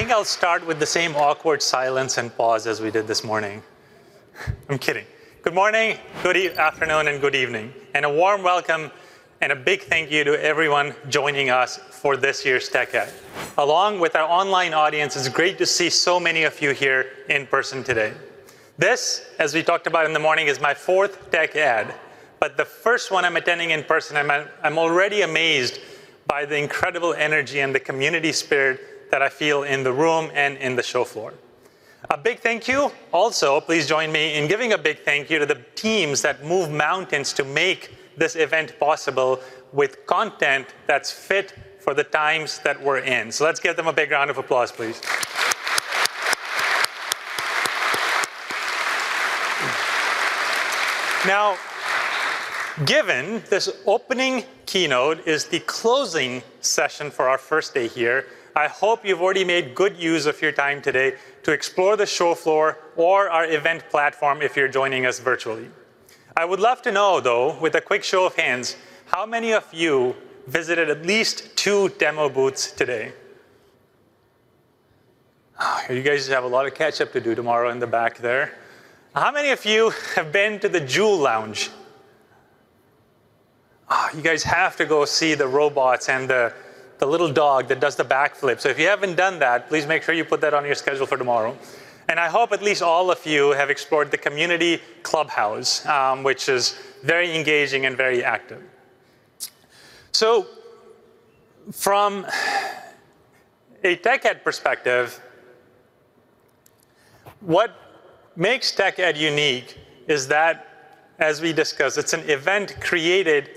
I think I'll start with the same awkward silence and pause as we did this morning. I'm kidding. Good morning, good afternoon, and good evening. A warm welcome and a big thank you to everyone joining us for this year's Tech Ed. Along with our online audience, it's great to see so many of you here in person today. This, as we talked about in the morning, is my fourth Tech Ed. The first one I'm attending in person, I'm already amazed by the incredible energy and the community spirit that I feel in the room and in the show floor. A big thank you. Also, please join me in giving a big thank you to the teams that move mountains to make this event possible with content that's fit for the times that we're in. Let's give them a big round of applause, please. Now, given this opening keynote is the closing session for our first day here, I hope you've already made good use of your time today to explore the show floor or our event platform if you're joining us virtually. I would love to know, though, with a quick show of hands, how many of you visited at least two demo booths today? You guys have a lot of catch-up to do tomorrow in the back there. How many of you have been to the Joule Lounge? You guys have to go see the robots and the little dog that does the backflip. If you haven't done that, please make sure you put that on your schedule for tomorrow. I hope at least all of you have explored the community clubhouse, which is very engaging and very active. From a TechEd perspective, what makes TechEd unique is that, as we discussed, it's an event created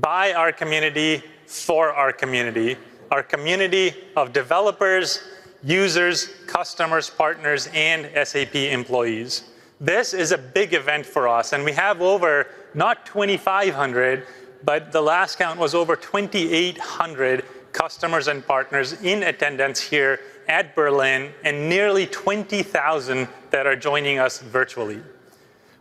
by our community for our community, our community of developers, users, customers, partners, and SAP employees. This is a big event for us. We have over, not 2,500, but the last count was over 2,800 customers and partners in attendance here at Berlin and nearly 20,000 that are joining us virtually.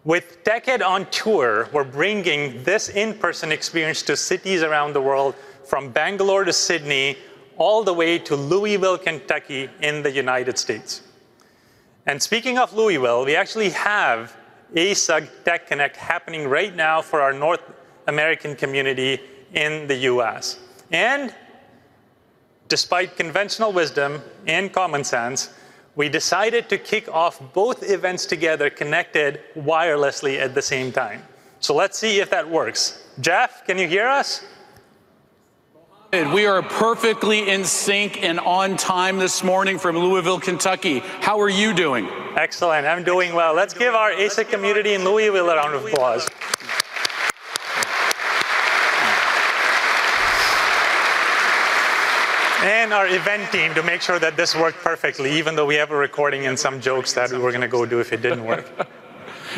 With TechEd on Tour, we're bringing this in-person experience to cities around the world, from Bangalore to Sydney, all the way to Louisville, Kentucky, in the United States. Speaking of Louisville, we actually have ASUG Tech Connect happening right now for our North American community in the U.S. Despite conventional wisdom and common sense, we decided to kick off both events together, connected wirelessly at the same time. Let's see if that works. Geoff, can you hear us? We are perfectly in sync and on time this morning from Louisville, Kentucky. How are you doing? Excellent. I'm doing well. Let's give our ASUG community in Louisville a round of applause. And our event team to make sure that this worked perfectly, even though we have a recording and some jokes that we were going to go do if it didn't work.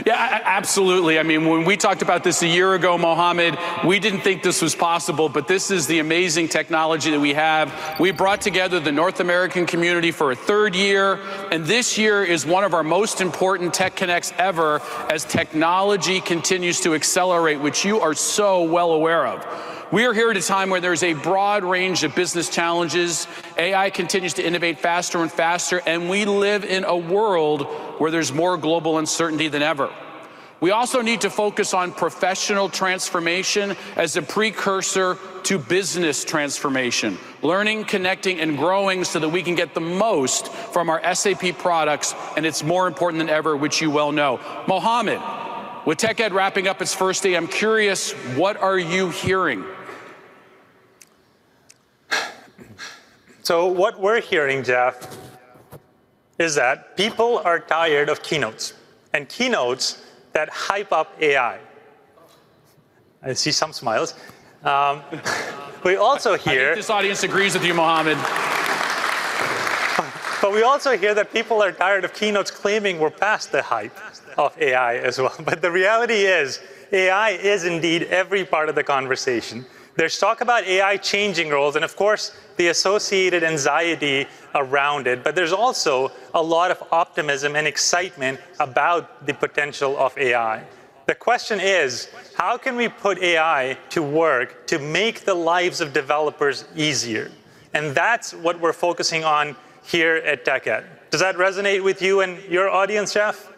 Yeah, absolutely. I mean, when we talked about this a year ago, Muhammad, we didn't think this was possible. This is the amazing technology that we have. We brought together the North American community for a third year. This year is one of our most important Tech Connects ever as technology continues to accelerate, which you are so well aware of. We are here at a time where there's a broad range of business challenges. AI continues to innovate faster and faster. We live in a world where there's more global uncertainty than ever. We also need to focus on professional transformation as a precursor to business transformation, learning, connecting, and growing so that we can get the most from our SAP products. It's more important than ever, which you well know. Muhammad, with TechEd wrapping up its first day, I'm curious, what are you hearing? What we're hearing, Geoff, is that people are tired of keynotes and keynotes that hype up AI. I see some smiles. We also hear. I hope this audience agrees with you, Muhammad. We also hear that people are tired of keynotes claiming we're past the hype of AI as well. The reality is, AI is indeed every part of the conversation. There's talk about AI changing roles and, of course, the associated anxiety around it. There's also a lot of optimism and excitement about the potential of AI. The question is, how can we put AI to work to make the lives of developers easier? That's what we're focusing on here at TechEd. Does that resonate with you and your audience, Jeff?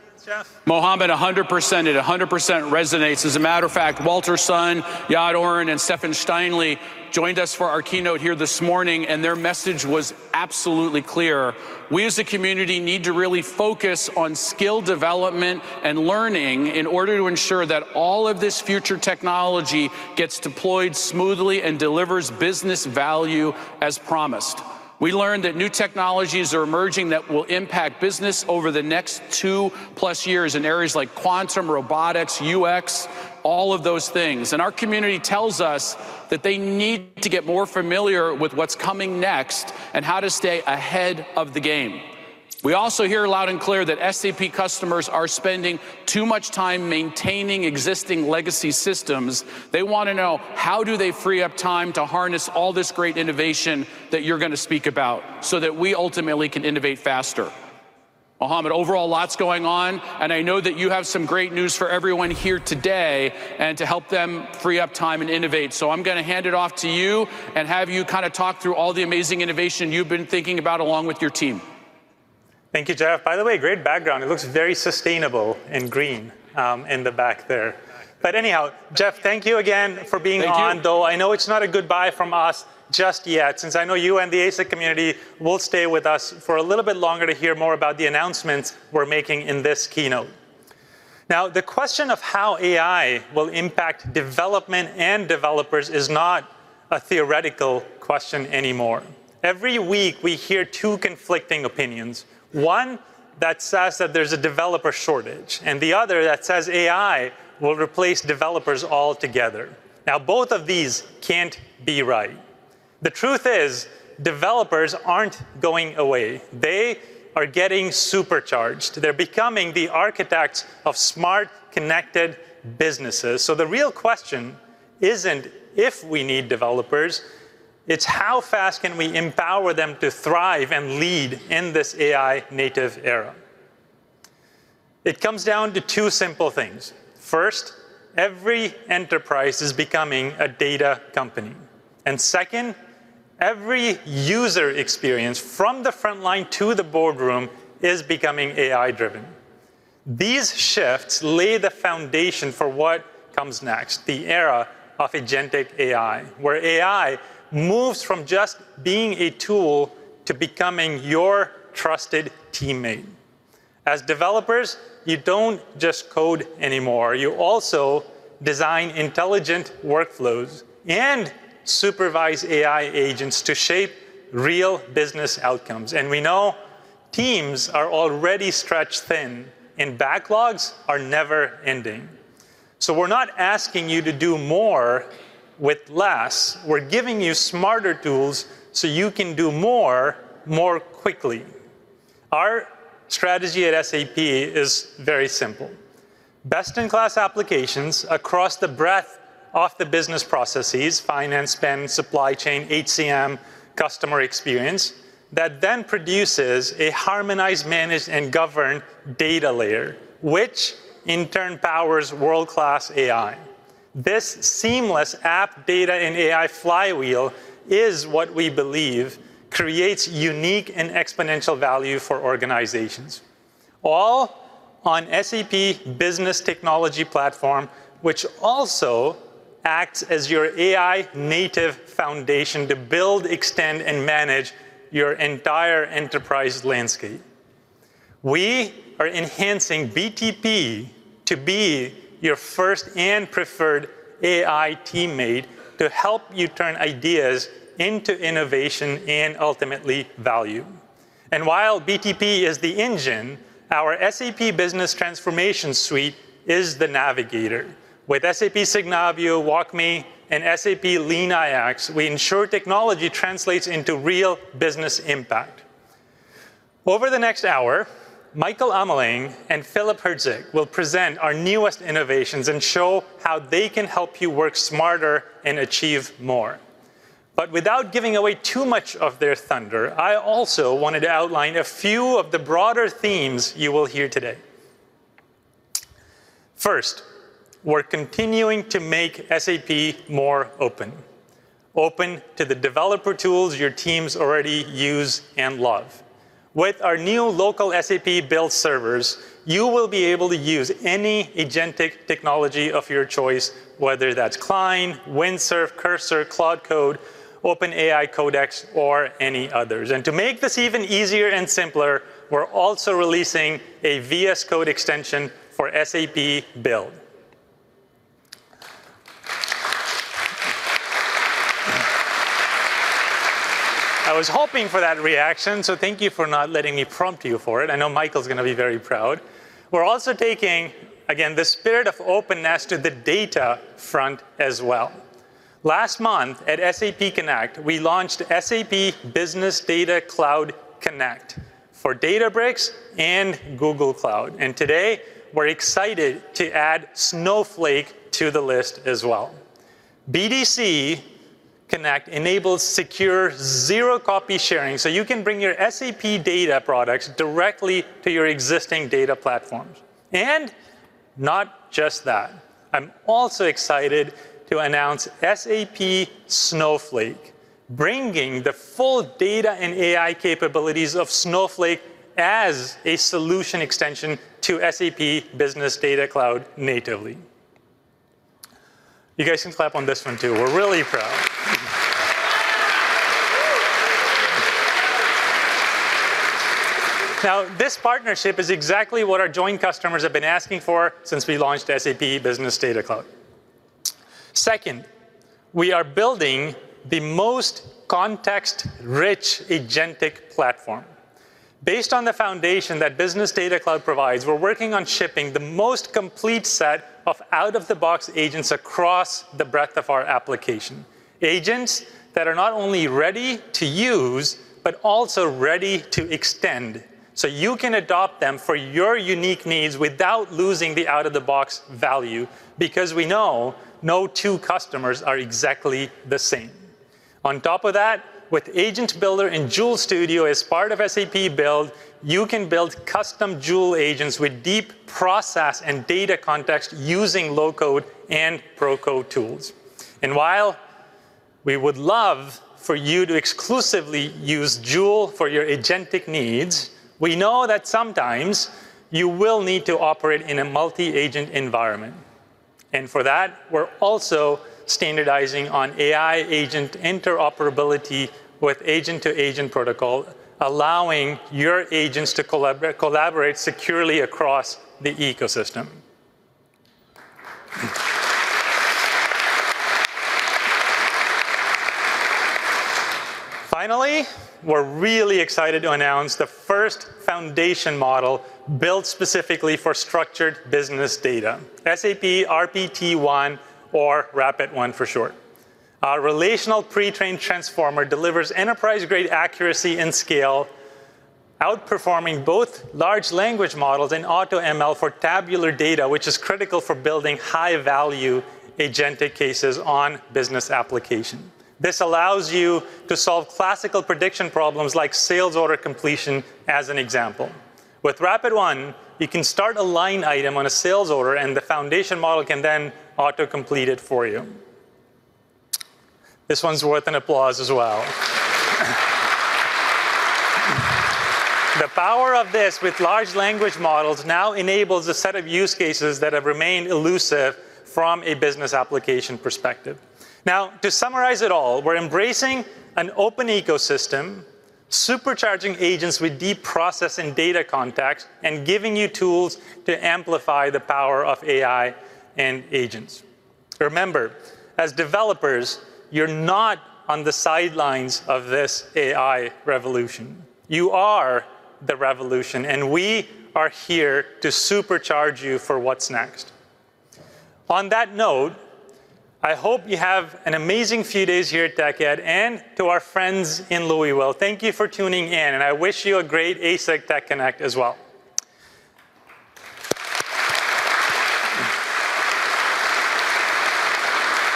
Muhammad, 100%. It 100% resonates. As a matter of fact, Walter Sun, Yaad Oren, and Stefan Steinle joined us for our keynote here this morning. Their message was absolutely clear. We, as a community, need to really focus on skill development and learning in order to ensure that all of this future technology gets deployed smoothly and delivers business value as promised. We learned that new technologies are emerging that will impact business over the next two-plus years in areas like quantum, robotics, UX, all of those things. Our community tells us that they need to get more familiar with what's coming next and how to stay ahead of the game. We also hear loud and clear that SAP customers are spending too much time maintaining existing legacy systems. They want to know, how do they free up time to harness all this great innovation that you're going to speak about so that we ultimately can innovate faster? Muhammad, overall, lots going on. I know that you have some great news for everyone here today and to help them free up time and innovate. I'm going to hand it off to you and have you kind of talk through all the amazing innovation you've been thinking about along with your team. Thank you, Geoff. By the way, great background. It looks very sustainable and green in the back there. Anyhow, Geoff, thank you again for being on, though. I know it's not a goodbye from us just yet, since I know you and the ASUG community will stay with us for a little bit longer to hear more about the announcements we're making in this keynote. Now, the question of how AI will impact development and developers is not a theoretical question anymore. Every week, we hear two conflicting opinions. One that says that there's a developer shortage and the other that says AI will replace developers altogether. Now, both of these can't be right. The truth is, developers aren't going away. They are getting supercharged. They're becoming the architects of smart, connected businesses. The real question isn't if we need developers. It's how fast can we empower them to thrive and lead in this AI-native era? It comes down to two simple things. First, every enterprise is becoming a data company. Second, every user experience from the front line to the boardroom is becoming AI-driven. These shifts lay the foundation for what comes next, the era of agentic AI, where AI moves from just being a tool to becoming your trusted teammate. As developers, you don't just code anymore. You also design intelligent workflows and supervise AI agents to shape real business outcomes. We know teams are already stretched thin, and backlogs are never-ending. We're not asking you to do more with less. We're giving you smarter tools so you can do more, more quickly. Our strategy at SAP is very simple. Best-in-class applications across the breadth of the business processes—finance, spend, supply chain, HCM, customer experience—that then produces a harmonized, managed, and governed data layer, which in turn powers world-class AI. This seamless app, data, and AI flywheel is what we believe creates unique and exponential value for organizations, all on SAP Business Technology Platform, which also acts as your AI-native foundation to build, extend, and manage your entire enterprise landscape. We are enhancing BTP to be your first and preferred AI teammate to help you turn ideas into innovation and ultimately value. While BTP is the engine, our SAP Business Transformation Suite is the navigator. With SAP Signavio, WalkMe, and SAP LeanIX, we ensure technology translates into real business impact. Over the next hour, Michael Ameling and Philipp Herzig will present our newest innovations and show how they can help you work smarter and achieve more. Without giving away too much of their thunder, I also wanted to outline a few of the broader themes you will hear today. First, we're continuing to make SAP more open, open to the developer tools your teams already use and love. With our new local SAP Build servers, you will be able to use any agentic technology of your choice, whether that's Klein, Windsurf, Cursor, Cloud Code, OpenAI Codex, or any others. To make this even easier and simpler, we're also releasing a VS Code extension for SAP Build. I was hoping for that reaction. Thank you for not letting me prompt you for it. I know Michael's going to be very proud. We're also taking, again, the spirit of openness to the data front as well. Last month at SAP Connect, we launched SAP Business Data Cloud Connect for Databricks and Google Cloud. Today, we're excited to add Snowflake to the list as well. BDC Connect enables secure zero-copy sharing, so you can bring your SAP data products directly to your existing data platforms. Not just that. I'm also excited to announce SAP Snowflake, bringing the full data and AI capabilities of Snowflake as a solution extension to SAP Business Data Cloud natively. You guys can clap on this one, too. We're really proud. This partnership is exactly what our joint customers have been asking for since we launched SAP Business Data Cloud. Second, we are building the most context-rich agentic platform. Based on the foundation that Business Data Cloud provides, we're working on shipping the most complete set of out-of-the-box agents across the breadth of our application—agents that are not only ready to use but also ready to extend, so you can adopt them for your unique needs without losing the out-of-the-box value because we know no two customers are exactly the same. On top of that, with Agent Builder and Joule Studio as part of SAP Build, you can build custom Joule agents with deep process and data context using low-code and pro-code tools. While we would love for you to exclusively use Joule for your agentic needs, we know that sometimes you will need to operate in a multi-agent environment. For that, we're also standardizing on AI agent interoperability with agent-to-agent protocol, allowing your agents to collaborate securely across the ecosystem. Finally, we're really excited to announce the first foundation model built specifically for structured business data: SAP-RPT-1, or Rapid-1 for short. Our relational pre-trained transformer delivers enterprise-grade accuracy and scale, outperforming both large language models and AutoML for tabular data, which is critical for building high-value agentic cases on business applications. This allows you to solve classical prediction problems like sales order completion, as an example. With Rapid-1, you can start a line item on a sales order, and the foundation model can then auto-complete it for you. This one's worth an applause as well. The power of this with large language models now enables a set of use cases that have remained elusive from a business application perspective. Now, to summarize it all, we're embracing an open ecosystem, supercharging agents with deep process and data context, and giving you tools to amplify the power of AI and agents. Remember, as developers, you're not on the sidelines of this AI revolution. You are the revolution. We are here to supercharge you for what's next. On that note, I hope you have an amazing few days here at TechEd and to our friends in Louisville. Thank you for tuning in. I wish you a great ASUG Tech Connect as well.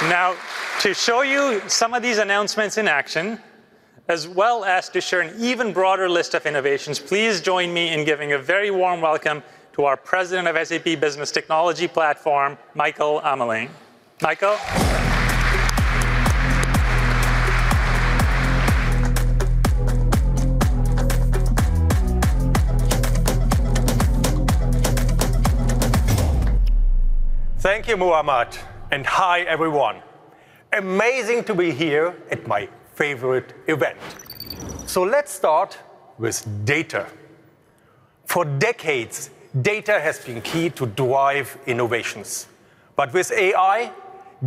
Now, to show you some of these announcements in action, as well as to share an even broader list of innovations, please join me in giving a very warm welcome to our President of SAP Business Technology Platform, Michael Ameling. Michael. Thank you, Muhammad. Hi, everyone. Amazing to be here at my favorite event. Let's start with data. For decades, data has been key to drive innovations. With AI,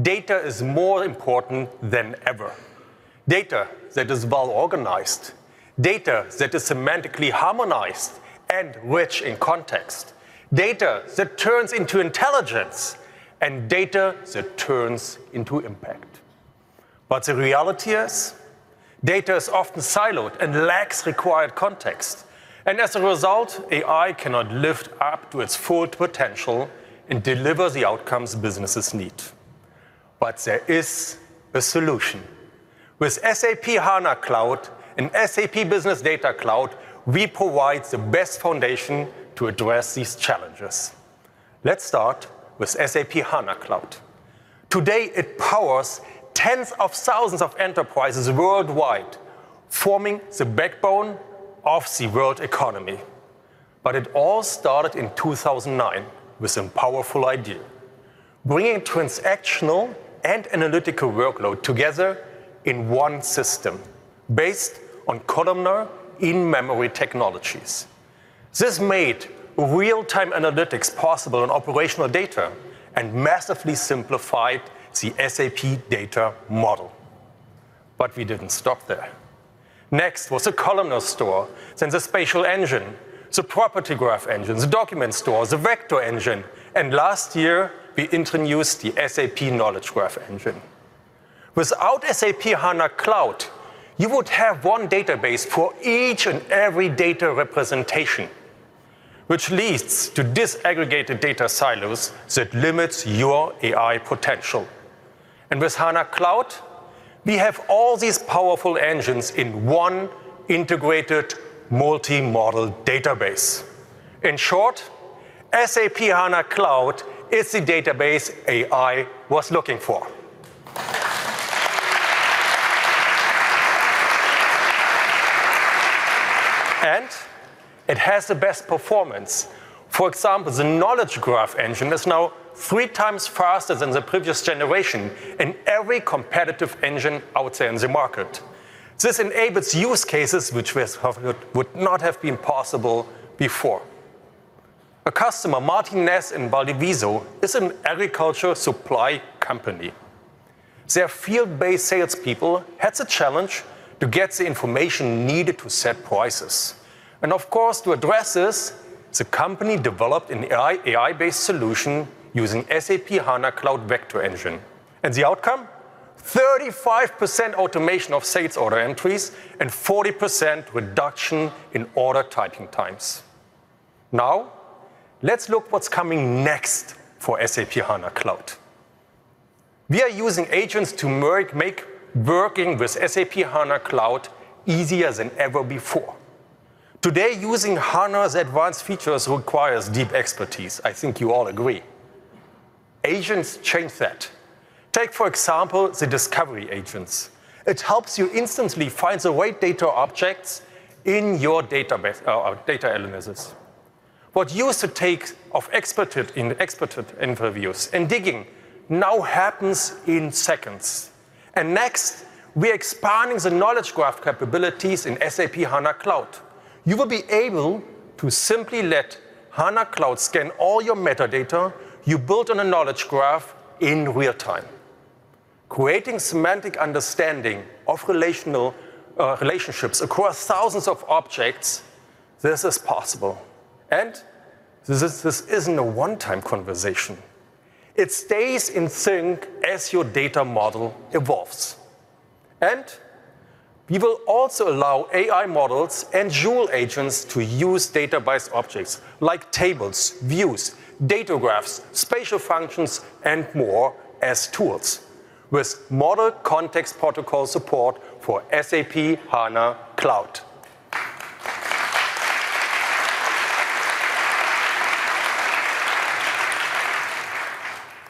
data is more important than ever. Data that is well-organized, data that is semantically harmonized and rich in context, data that turns into intelligence, and data that turns into impact. The reality is, data is often siloed and lacks required context. As a result, AI cannot lift up to its full potential and deliver the outcomes businesses need. There is a solution. With SAP HANA Cloud and SAP Business Data Cloud, we provide the best foundation to address these challenges. Let's start with SAP HANA Cloud. Today, it powers tens of thousands of enterprises worldwide, forming the backbone of the world economy. It all started in 2009 with a powerful idea: bringing transactional and analytical workload together in one system based on columnar in-memory technologies. This made real-time analytics possible on operational data and massively simplified the SAP data model. We did not stop there. Next was a columnar store and the spatial engine, the property graph engine, the document store, the vector engine. Last year, we introduced the SAP Knowledge Graph engine. Without SAP HANA Cloud, you would have one database for each and every data representation, which leads to disaggregated data silos that limit your AI potential. With HANA Cloud, we have all these powerful engines in one integrated multi-model database. In short, SAP HANA Cloud is the database AI was looking for. It has the best performance. For example, the Knowledge Graph engine is now three times faster than the previous generation in every competitive engine out there in the market. This enables use cases which would not have been possible before. A customer, Martinez & Valdivieso, is an agriculture supply company. Their field-based salespeople had the challenge to get the information needed to set prices. To address this, the company developed an AI-based solution using SAP HANA Cloud vector engine. The outcome? 35% automation of sales order entries and 40% reduction in order typing times. Now, let's look at what's coming next for SAP HANA Cloud. We are using agents to make working with SAP HANA Cloud easier than ever before. Today, using HANA's advanced features requires deep expertise. I think you all agree. Agents change that. Take, for example, the discovery agents. It helps you instantly find the right data objects in your data elements. What used to take expert interviews and digging now happens in seconds. Next, we are expanding the Knowledge Graph capabilities in SAP HANA Cloud. You will be able to simply let HANA Cloud scan all your metadata you built on a Knowledge Graph in real time. Creating semantic understanding of relational relationships across thousands of objects, this is possible. This is not a one-time conversation. It stays in sync as your data model evolves. We will also allow AI models and Joule agents to use data-based objects like tables, views, data graphs, spatial functions, and more as tools with model context protocol support for SAP HANA Cloud.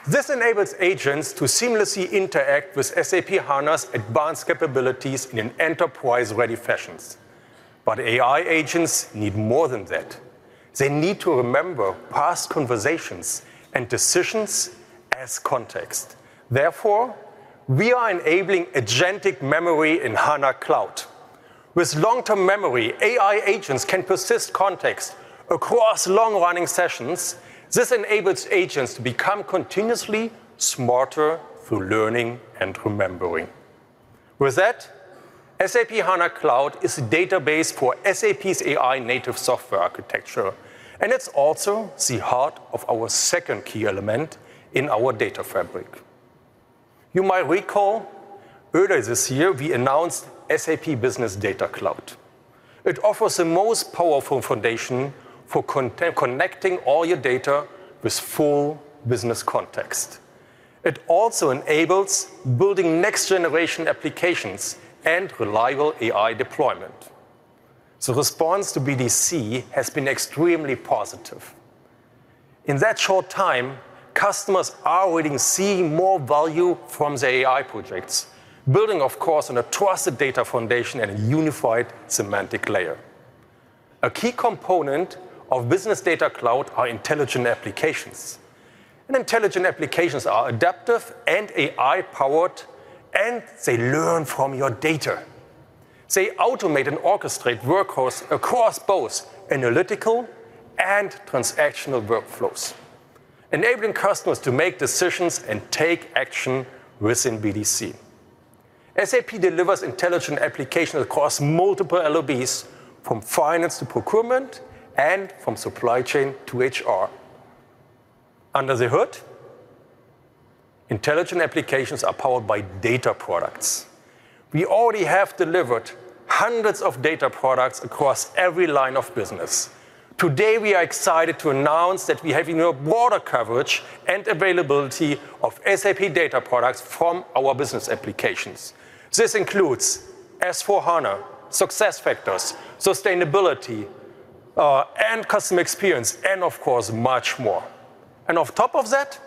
This enables agents to seamlessly interact with SAP HANA's advanced capabilities in enterprise-ready fashions. AI agents need more than that. They need to remember past conversations and decisions as context. Therefore, we are enabling agentic memory in HANA Cloud. With long-term memory, AI agents can persist context across long-running sessions. This enables agents to become continuously smarter through learning and remembering. With that, SAP HANA Cloud is a database for SAP's AI-native software architecture. It is also the heart of our second key element in our data fabric. You might recall, earlier this year, we announced SAP Business Data Cloud. It offers the most powerful foundation for connecting all your data with full business context. It also enables building next-generation applications and reliable AI deployment. The response to BDC has been extremely positive. In that short time, customers are already seeing more value from the AI projects, building, of course, on a trusted data foundation and a unified semantic layer. A key component of Business Data Cloud are intelligent applications. Intelligent applications are adaptive and AI-powered, and they learn from your data. They automate and orchestrate workflows across both analytical and transactional workflows, enabling customers to make decisions and take action within BDC. SAP delivers intelligent applications across multiple LOBs, from finance to procurement and from supply chain to HR. Under the hood, intelligent applications are powered by data products. We already have delivered hundreds of data products across every line of business. Today, we are excited to announce that we have a broader coverage and availability of SAP data products from our business applications. This includes S/4HANA, SuccessFactors, sustainability, and customer experience, and of course, much more. On top of that,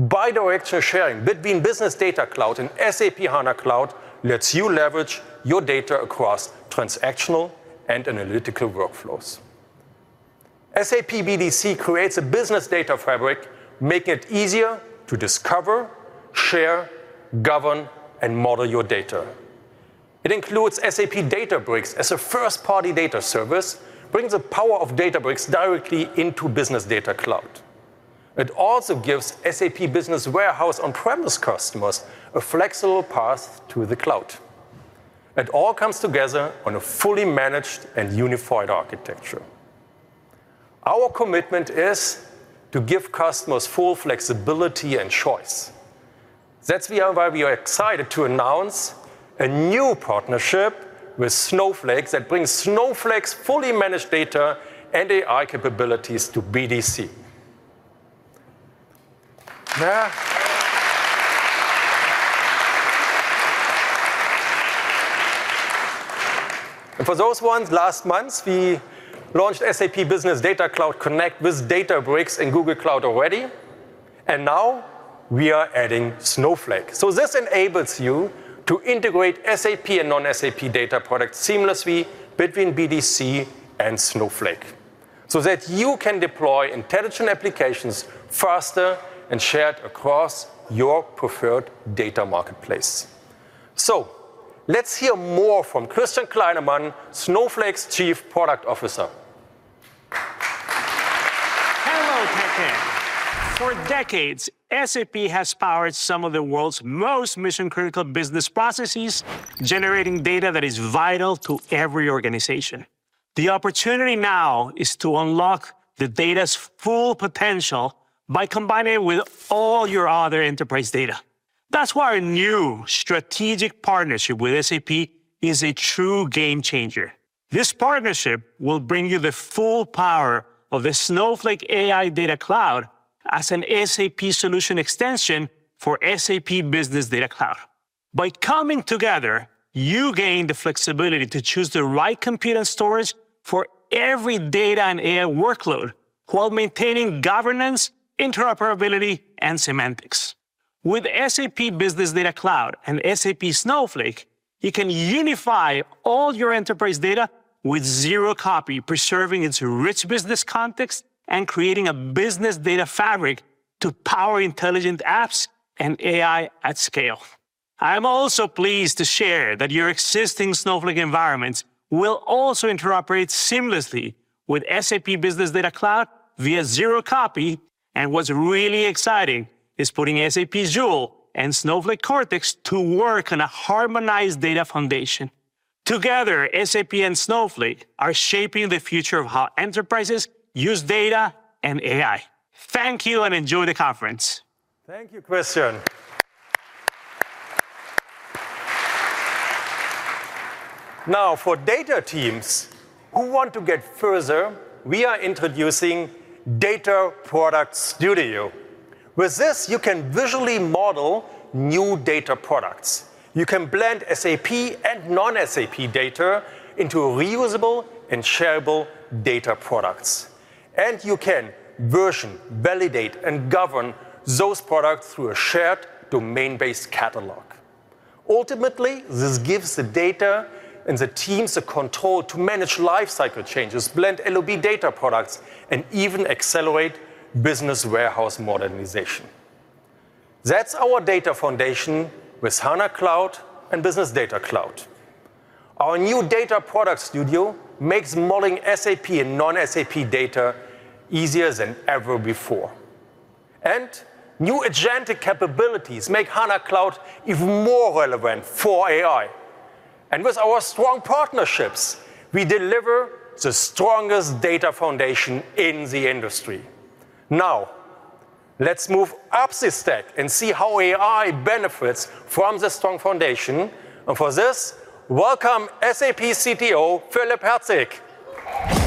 bidirectional sharing between Business Data Cloud and SAP HANA Cloud lets you leverage your data across transactional and analytical workflows. SAP BDC creates a business data fabric, making it easier to discover, share, govern, and model your data. It includes SAP Databricks as a first-party data service, bringing the power of Databricks directly into Business Data Cloud. It also gives SAP Business Warehouse on-premise customers a flexible path to the cloud. It all comes together on a fully managed and unified architecture. Our commitment is to give customers full flexibility and choice. That is why we are excited to announce a new partnership with Snowflake that brings Snowflake's fully managed data and AI capabilities to BDC. For those ones, last month, we launched SAP Business Data Cloud Connect with Databricks and Google Cloud already. Now, we are adding Snowflake. This enables you to integrate SAP and non-SAP data products seamlessly between BDC and Snowflake so that you can deploy intelligent applications faster and share across your preferred data marketplace. Let's hear more from Christian Kleinerman, Snowflake's Chief Product Officer. Hello, tech nerds. For decades, SAP has powered some of the world's most mission-critical business processes, generating data that is vital to every organization. The opportunity now is to unlock the data's full potential by combining it with all your other enterprise data. That's why a new strategic partnership with SAP is a true game changer. This partnership will bring you the full power of the Snowflake AI Data Cloud as an SAP solution extension for SAP Business Data Cloud. By coming together, you gain the flexibility to choose the right compute and storage for every data and AI workload while maintaining governance, interoperability, and semantics. With SAP Business Data Cloud and SAP Snowflake, you can unify all your enterprise data with zero copy, preserving its rich business context and creating a business data fabric to power intelligent apps and AI at scale. I'm also pleased to share that your existing Snowflake environments will also interoperate seamlessly with SAP Business Data Cloud via Zero-Copy. What's really exciting is putting SAP Joule and Snowflake Cortex to work on a harmonized data foundation. Together, SAP and Snowflake are shaping the future of how enterprises use data and AI. Thank you and enjoy the conference. Thank you, Christian. Now, for data teams who want to get further, we are introducing Data Product Studio. With this, you can visually model new data products. You can blend SAP and non-SAP data into reusable and shareable data products. You can version, validate, and govern those products through a shared domain-based catalog. Ultimately, this gives the data and the teams the control to manage lifecycle changes, blend LOB data products, and even accelerate business warehouse modernization. That is our data foundation with HANA Cloud and Business Data Cloud. Our new Data Product Studio makes modeling SAP and non-SAP data easier than ever before. New agentic capabilities make HANA Cloud even more relevant for AI. With our strong partnerships, we deliver the strongest data foundation in the industry. Now, let's move up the stack and see how AI benefits from the strong foundation. For this, welcome SAP CTO, Philipp Herzig.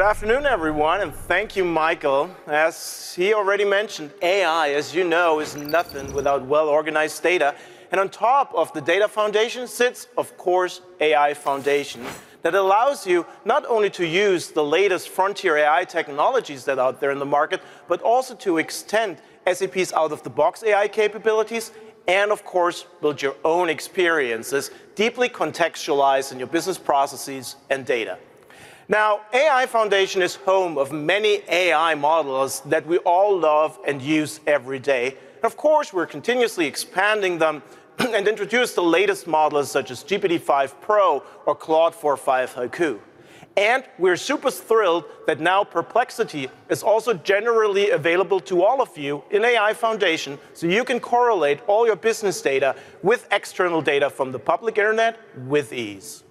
Good afternoon, everyone. Thank you, Michael. As he already mentioned, AI, as you know, is nothing without well-organized data. On top of the data foundation sits, of course, AI Foundation that allows you not only to use the latest frontier AI technologies that are out there in the market, but also to extend SAP's out-of-the-box AI capabilities and, of course, build your own experiences deeply contextualized in your business processes and data. Now, AI Foundation is home of many AI models that we all love and use every day. Of course, we're continuously expanding them and introducing the latest models such as GPT-5 Pro or Claude 4.5 Haiku. We are super thrilled that now Perplexity is also generally available to all of you in AI Foundation, so you can correlate all your business data with external data from the public internet with ease.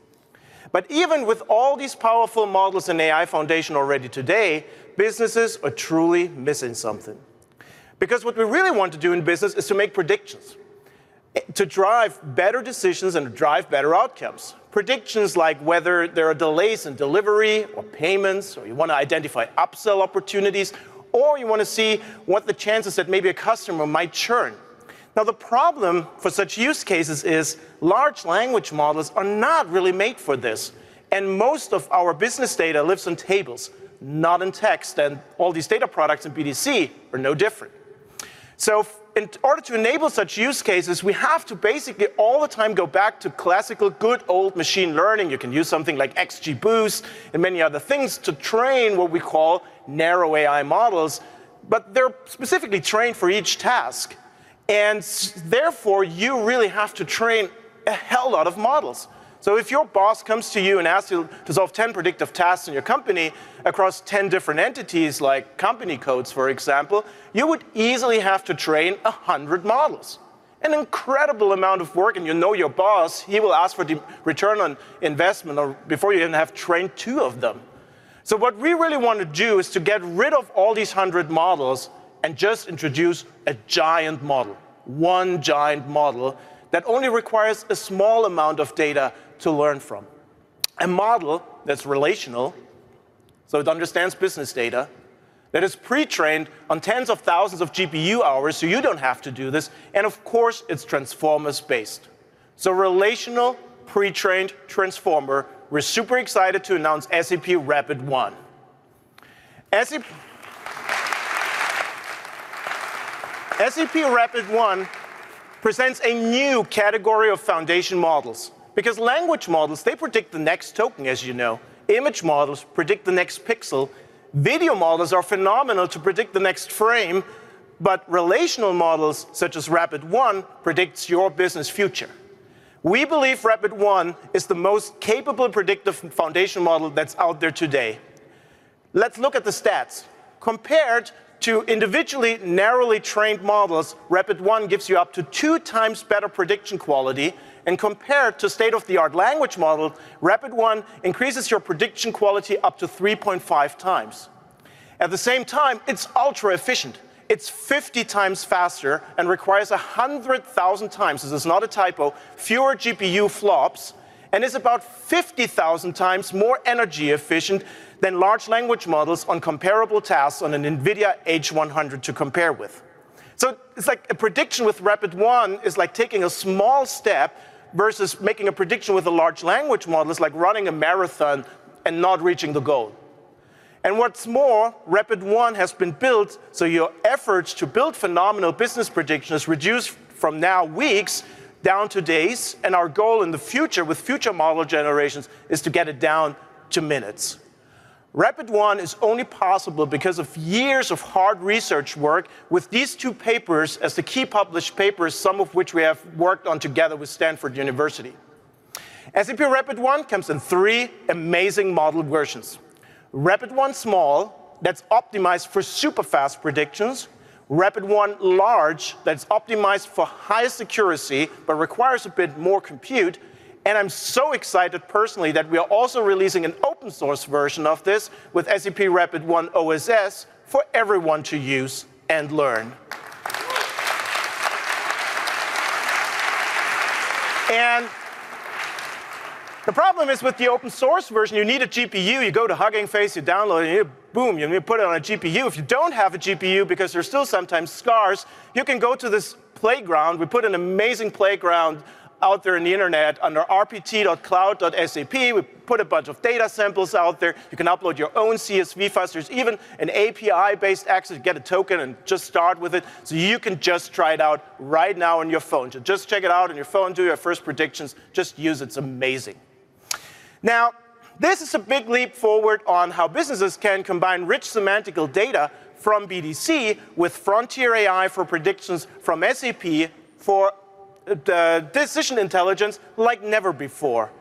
Even with all these powerful models in AI Foundation already today, businesses are truly missing something. What we really want to do in business is to make predictions to drive better decisions and to drive better outcomes. Predictions like whether there are delays in delivery or payments, or you want to identify upsell opportunities, or you want to see what the chances are that maybe a customer might churn. The problem for such use cases is large language models are not really made for this. Most of our business data lives in tables, not in text. All these data products in BDC are no different. In order to enable such use cases, we have to basically all the time go back to classical good old machine learning. You can use something like XGBoost and many other things to train what we call narrow AI models. But they're specifically trained for each task. Therefore, you really have to train a hell lot of models. If your boss comes to you and asks you to solve 10 predictive tasks in your company across 10 different entities, like company codes, for example, you would easily have to train 100 models. An incredible amount of work. You know your boss, he will ask for return on investment before you even have trained two of them. What we really want to do is to get rid of all these hundred models and just introduce a giant model, one giant model that only requires a small amount of data to learn from. A model that's relational, so it understands business data, that is pre-trained on tens of thousands of GPU hours, so you don't have to do this. Of course, it's transformers-based. Relational, pre-trained transformer, we're super excited to announce SAP Rapid-1. SAP Rapid-1 presents a new category of foundation models. Because language models, they predict the next token, as you know. Image models predict the next pixel. Video models are phenomenal to predict the next frame. Relational models, such as Rapid-1, predict your business future. We believe Rapid-1 is the most capable predictive foundation model that's out there today. Let's look at the stats. Compared to individually narrowly trained models, Rapid-1 gives you up to two times better prediction quality. Compared to state-of-the-art language models, Rapid-1 increases your prediction quality up to 3.5 times. At the same time, it's ultra-efficient. It's 50 times faster and requires 100,000 times, this is not a typo, fewer GPU flops. It's about 50,000 times more energy efficient than large language models on comparable tasks on an NVIDIA H100 to compare with. A prediction with Rapid-1 is like taking a small step versus making a prediction with a large language model is like running a marathon and not reaching the goal. What's more, Rapid-1 has been built so your efforts to build phenomenal business predictions reduce from now weeks down to days. Our goal in the future with future model generations is to get it down to minutes. Rapid1- is only possible because of years of hard research work with these two papers as the key published papers, some of which we have worked on together with Stanford University. SAP Rapid-1 comes in three amazing model versions. Rapid-1 Small, that's optimized for super fast predictions. Rapid-1 Large, that's optimized for highest accuracy but requires a bit more compute. I am so excited personally that we are also releasing an open-source version of this with SAP Rapid-1 OSS for everyone to use and learn. The problem is with the open-source version, you need a GPU. You go to Hugging Face, you download it, and boom, you put it on a GPU. If you do not have a GPU, because there are still sometimes scars, you can go to this playground. We put an amazing playground out there on the internet under rpt.cloud.sap. We put a bunch of data samples out there. You can upload your own CSV files. There is even an API-based access. You get a token and just start with it. You can just try it out right now on your phone. Just check it out on your phone, do your first predictions. Just use it. It is amazing. Now, this is a big leap forward on how businesses can combine rich semantical data from BDC with frontier AI for predictions from SAP for decision intelligence like never before.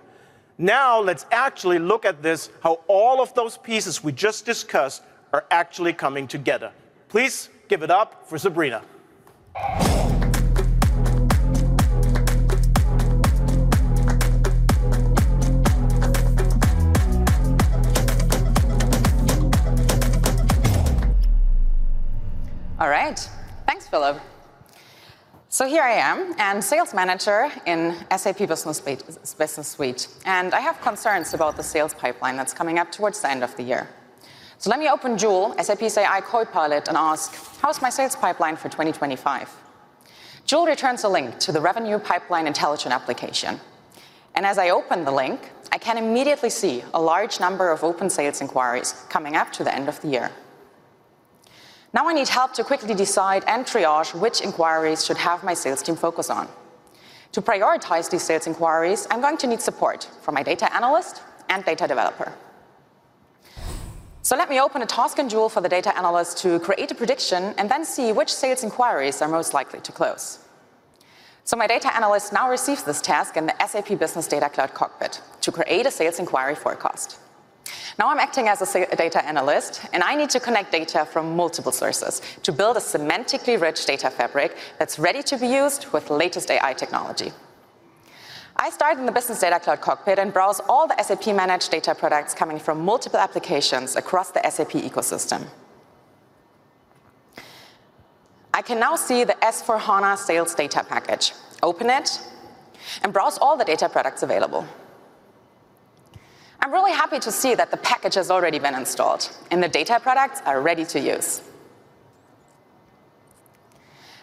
Now, let us actually look at this, how all of those pieces we just discussed are actually coming together. Please give it up for Sabrina. All right. Thanks, Philipp. Here I am, a sales manager in SAP Business Suite. I have concerns about the sales pipeline that's coming up towards the end of the year. Let me open Joule, SAP's AI copilot, and ask, how's my sales pipeline for 2025? Joule returns a link to the Revenue Pipeline Intelligent Application. As I open the link, I can immediately see a large number of open sales inquiries coming up to the end of the year. Now I need help to quickly decide and triage which inquiries should have my sales team focus on. To prioritize these sales inquiries, I'm going to need support from my data analyst and data developer. Let me open a task in Joule for the data analyst to create a prediction and then see which sales inquiries are most likely to close. My data analyst now receives this task in the SAP Business Data Cloud Cockpit to create a sales inquiry forecast. Now I'm acting as a data analyst, and I need to connect data from multiple sources to build a semantically rich data fabric that's ready to be used with the latest AI technology. I start in the Business Data Cloud Cockpit and browse all the SAP-managed data products coming from multiple applications across the SAP ecosystem. I can now see the S/4HANA sales data package. Open it and browse all the data products available. I'm really happy to see that the package has already been installed and the data products are ready to use.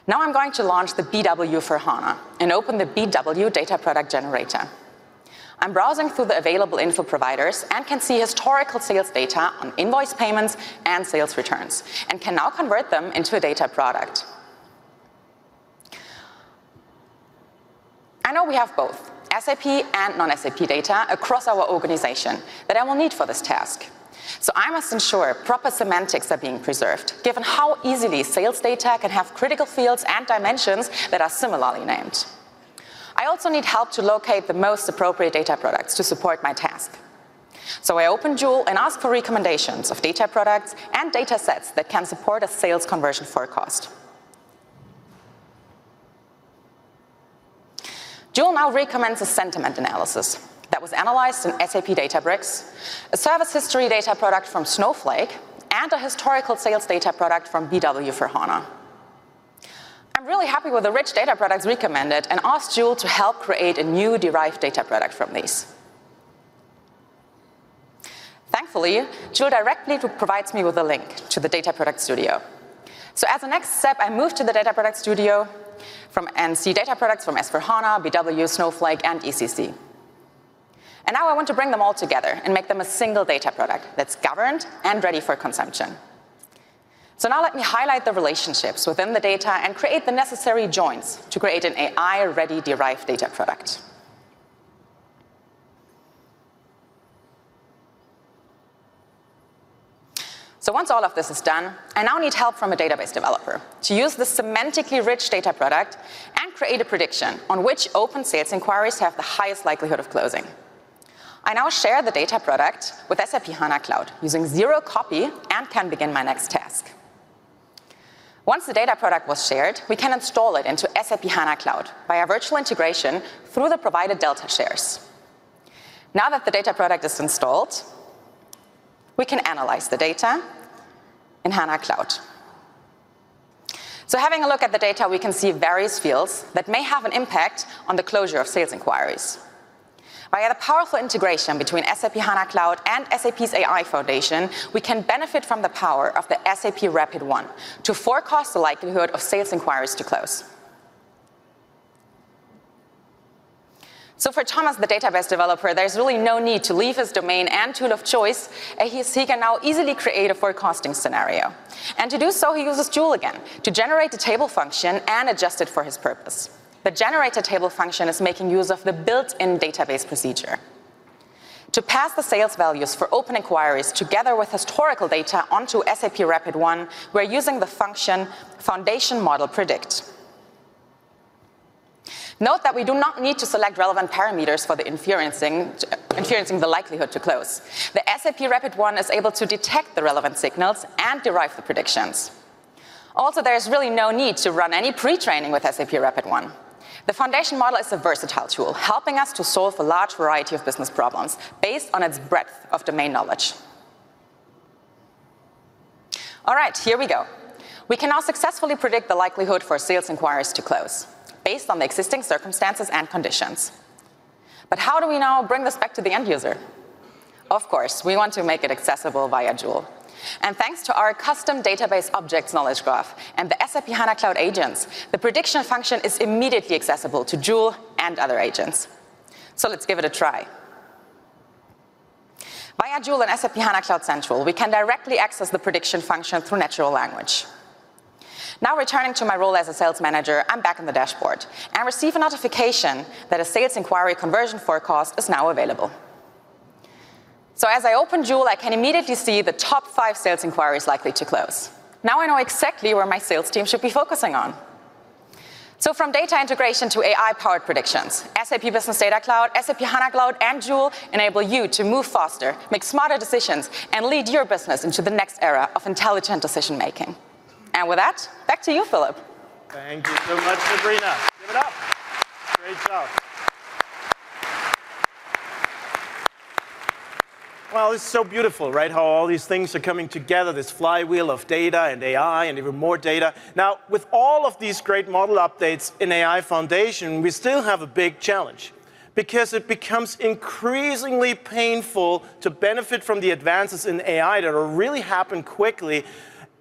Now I'm going to launch the BW for HANA and open the BW data product generator. I'm browsing through the available info providers and can see historical sales data on invoice payments and sales returns and can now convert them into a data product. I know we have both SAP and non-SAP data across our organization that I will need for this task. I must ensure proper semantics are being preserved, given how easily sales data can have critical fields and dimensions that are similarly named. I also need help to locate the most appropriate data products to support my task. I open Joule and ask for recommendations of data products and data sets that can support a sales conversion forecast. Joule now recommends a sentiment analysis that was analyzed in SAP Databricks, a service history data product from Snowflake, and a historical sales data product from BW for HANA. I'm really happy with the rich data products recommended and ask Joule to help create a new derived data product from these. Thankfully, Joule directly provides me with a link to the Data Product Studio. As a next step, I move to the Data Product Studio and see data products from S/4HANA, BW, Snowflake, and ECC. I want to bring them all together and make them a single data product that's governed and ready for consumption. Let me highlight the relationships within the data and create the necessary joints to create an AI-ready derived data product. Once all of this is done, I now need help from a database developer to use the semantically rich data product and create a prediction on which open sales inquiries have the highest likelihood of closing. I now share the data product with SAP HANA Cloud using Zero-Copy and can begin my next task. Once the data product was shared, we can install it into SAP HANA Cloud via virtual integration through the provided Delta shares. Now that the data product is installed, we can analyze the data in HANA Cloud. Having a look at the data, we can see various fields that may have an impact on the closure of sales inquiries. Via the powerful integration between SAP HANA Cloud and SAP's AI Foundation, we can benefit from the power of the SAP Rapid-1 to forecast the likelihood of sales inquiries to close. For Thomas, the database developer, there is really no need to leave his domain and tool of choice as he can now easily create a forecasting scenario. To do so, he uses Joule again to generate a table function and adjust it for his purpose. The generated table function is making use of the built-in database procedure. To pass the sales values for open inquiries together with historical data onto SAP Rapid-1, we're using the function Foundation Model Predict. Note that we do not need to select relevant parameters for the inferencing the likelihood to close. SAP Rapid-1 is able to detect the relevant signals and derive the predictions. Also, there is really no need to run any pretraining with SAP Rapid-1. The foundation model is a versatile tool, helping us to solve a large variety of business problems based on its breadth of domain knowledge. All right, here we go. We can now successfully predict the likelihood for sales inquiries to close based on the existing circumstances and conditions. How do we now bring this back to the end user? Of course, we want to make it accessible via Joule. Thanks to our custom database objects, Knowledge Graph, and the SAP HANA Cloud agents, the prediction function is immediately accessible to Joule and other agents. Let's give it a try. Via Joule and SAP HANA Cloud Central, we can directly access the prediction function through natural language. Now, returning to my role as a sales manager, I'm back in the dashboard and receive a notification that a sales inquiry conversion forecast is now available. As I open Joule, I can immediately see the top five sales inquiries likely to close. Now I know exactly where my sales team should be focusing on. From data integration to AI-powered predictions, SAP Business Data Cloud, SAP HANA Cloud, and Joule enable you to move faster, make smarter decisions, and lead your business into the next era of intelligent decision-making. With that, back to you, Philip. Thank you so much, Sabrina. Give it up. Great job. It is so beautiful, right, how all these things are coming together, this flywheel of data and AI and even more data. Now, with all of these great model updates in AI Foundation, we still have a big challenge because it becomes increasingly painful to benefit from the advances in AI that are really happening quickly.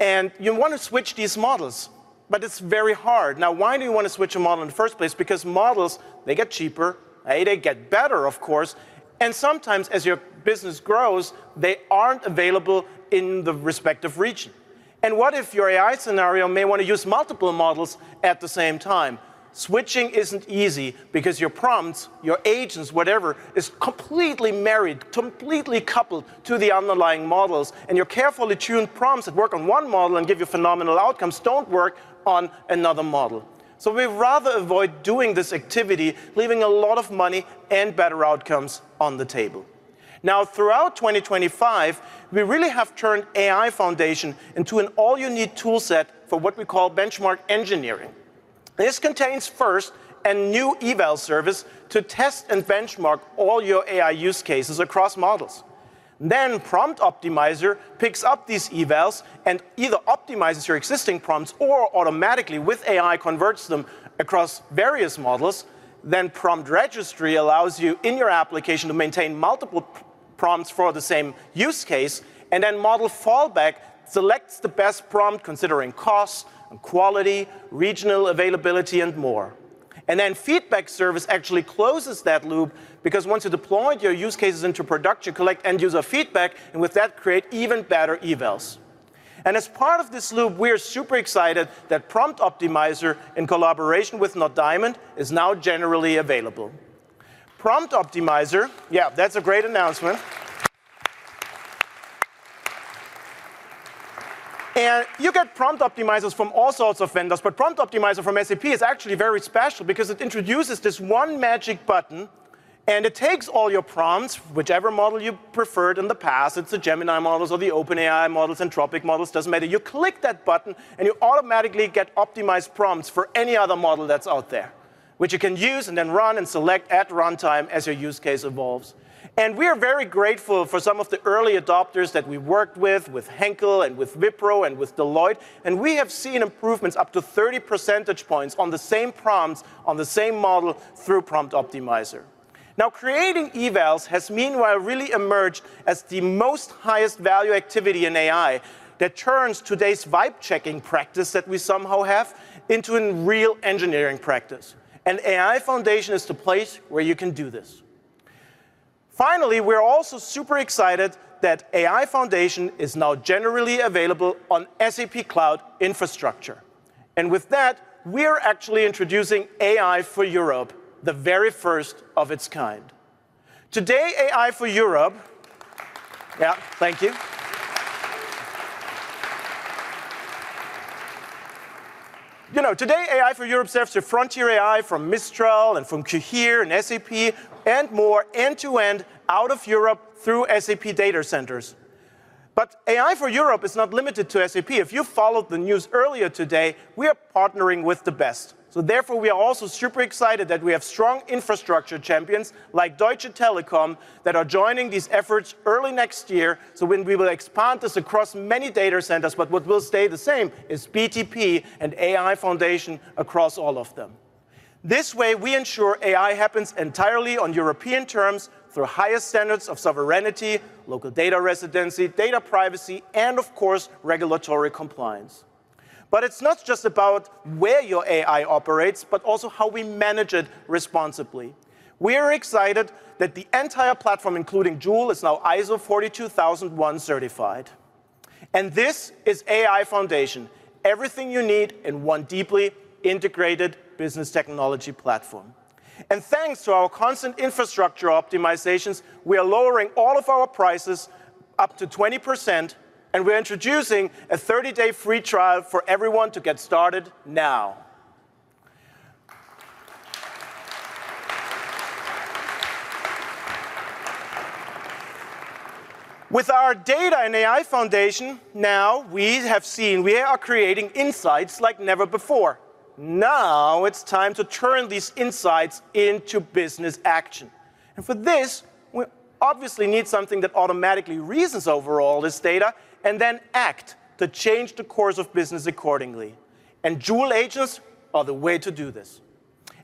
You want to switch these models, but it is very hard. Now, why do you want to switch a model in the first place? Because models, they get cheaper, they get better, of course. Sometimes, as your business grows, they are not available in the respective region. What if your AI scenario may want to use multiple models at the same time? Switching is not easy because your prompts, your agents, whatever, are completely married, completely coupled to the underlying models. Your carefully tuned prompts that work on one model and give you phenomenal outcomes do not work on another model. We would rather avoid doing this activity, leaving a lot of money and better outcomes on the table. Now, throughout 2025, we really have turned AI Foundation into an all-you-need toolset for what we call benchmark engineering. This contains first a new eval service to test and benchmark all your AI use cases across models. Prompt Optimizer picks up these evals and either optimizes your existing prompts or automatically, with AI, converts them across various models. Prompt Registry allows you in your application to maintain multiple prompts for the same use case. Model Fallback selects the best prompt considering cost and quality, regional availability, and more. Feedback Service actually closes that loop because once you deploy your use cases into production, you collect end user feedback and with that create even better evals. As part of this loop, we are super excited that Prompt Optimizer in collaboration with Not Diamond is now generally available. Prompt Optimizer, yeah, that's a great announcement. You get Prompt Optimizers from all sorts of vendors, but Prompt Optimizer from SAP is actually very special because it introduces this one magic button. It takes all your prompts, whichever model you preferred in the past, it's the Gemini models or the OpenAI models and Tropic models, doesn't matter. You click that button and you automatically get optimized prompts for any other model that's out there, which you can use and then run and select at runtime as your use case evolves. We are very grateful for some of the early adopters that we worked with, with Henkel and with Wipro and with Deloitte. We have seen improvements up to 30 percentage points on the same prompts, on the same model through Prompt Optimizer. Now, creating evals has meanwhile really emerged as the most highest value activity in AI that turns today's vibe checking practice that we somehow have into a real engineering practice. AI Foundation is the place where you can do this. Finally, we're also super excited that AI Foundation is now generally available on SAP Cloud Infrastructure. With that, we are actually introducing AI for Europe, the very first of its kind. Today, AI for Europe, yeah, thank you. Today, AI for Europe serves your frontier AI from Mistral and from Cohere and SAP and more end-to-end out of Europe through SAP data centers. AI for Europe is not limited to SAP. If you followed the news earlier today, we are partnering with the best. Therefore, we are also super excited that we have strong infrastructure champions like Deutsche Telekom that are joining these efforts early next year. We will expand this across many data centers, but what will stay the same is BTP and AI Foundation across all of them. This way, we ensure AI happens entirely on European terms through highest standards of sovereignty, local data residency, data privacy, and of course, regulatory compliance. It is not just about where your AI operates, but also how we manage it responsibly. We are excited that the entire platform, including Joule, is now ISO 42001 certified. This is AI Foundation, everything you need in one deeply integrated business technology platform. Thanks to our constant infrastructure optimizations, we are lowering all of our prices up to 20%, and we're introducing a 30-day free trial for everyone to get started now. With our data and AI Foundation, now we have seen we are creating insights like never before. Now it's time to turn these insights into business action. For this, we obviously need something that automatically reasons over all this data and then acts to change the course of business accordingly. Joule agents are the way to do this.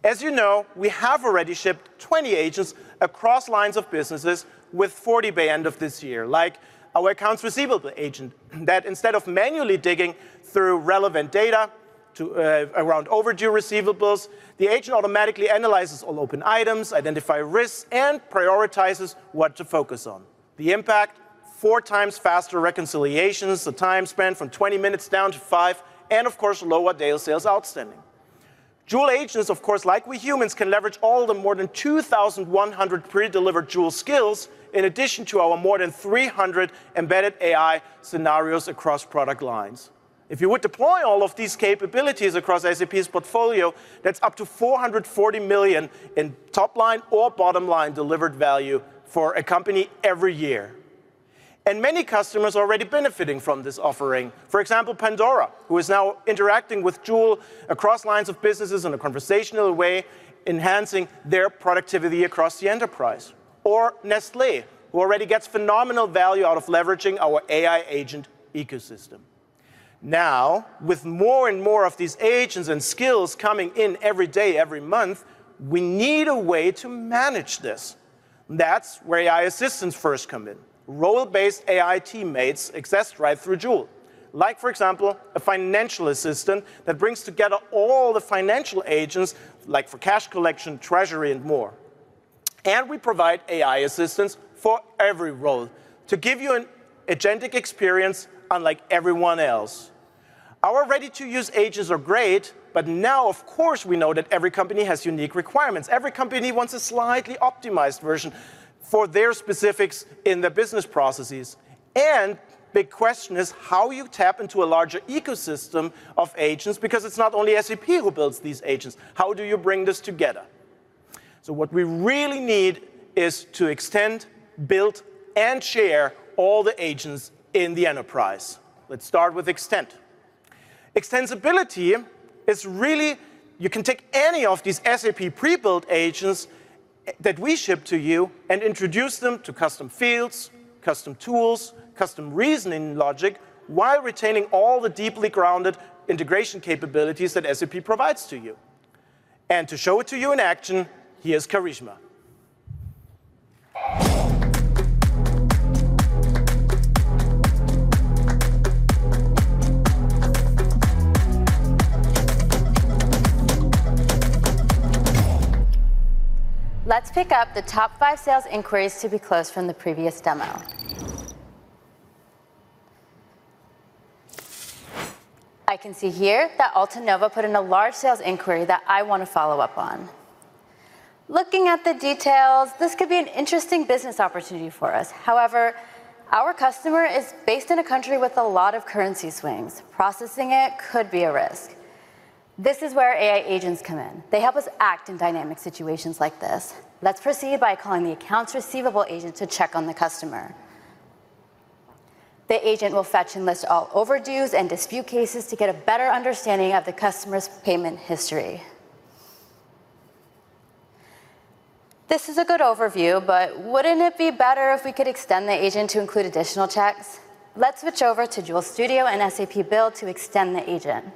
As you know, we have already shipped 20 agents across lines of businesses with 40 by the end of this year, like our accounts receivable agent that instead of manually digging through relevant data around overdue receivables, the agent automatically analyzes all open items, identifies risks, and prioritizes what to focus on. The impact: four times faster reconciliations, a time span from 20 minutes down to five, and of course, lower daily sales outstanding. Joule agents, of course, like we humans, can leverage all the more than 2,100 pre-delivered Joule skills in addition to our more than 300 embedded AI scenarios across product lines. If you would deploy all of these capabilities across SAP's portfolio, that's up to 440 million in top-line or bottom-line delivered value for a company every year. Many customers are already benefiting from this offering. For example, Pandora, who is now interacting with Joule across lines of businesses in a conversational way, enhancing their productivity across the enterprise. Nestlé, who already gets phenomenal value out of leveraging our AI agent ecosystem. Now, with more and more of these agents and skills coming in every day, every month, we need a way to manage this. That's where AI assistants first come in. Role-based AI teammates exist right through Joule, like, for example, a financial assistant that brings together all the financial agents, like for cash collection, treasury, and more. We provide AI assistants for every role to give you an agentic experience unlike everyone else. Our ready-to-use agents are great, but now, of course, we know that every company has unique requirements. Every company wants a slightly optimized version for their specifics in their business processes. The big question is how you tap into a larger ecosystem of agents because it's not only SAP who builds these agents. How do you bring this together? What we really need is to extend, build, and share all the agents in the enterprise. Let's start with extend. Extensibility is really you can take any of these SAP pre-built agents that we ship to you and introduce them to custom fields, custom tools, custom reasoning logic while retaining all the deeply grounded integration capabilities that SAP provides to you. To show it to you in action, here's Karishma. Let's pick up the top five sales inquiries to be closed from the previous demo. I can see here that Altenova put in a large sales inquiry that I want to follow up on. Looking at the details, this could be an interesting business opportunity for us. However, our customer is based in a country with a lot of currency swings. Processing it could be a risk. This is where AI agents come in. They help us act in dynamic situations like this. Let's proceed by calling the accounts receivable agent to check on the customer. The agent will fetch and list all overdues and dispute cases to get a better understanding of the customer's payment history. This is a good overview, but wouldn't it be better if we could extend the agent to include additional checks? Let's switch over to Joule Studio and SAP Build to extend the agent.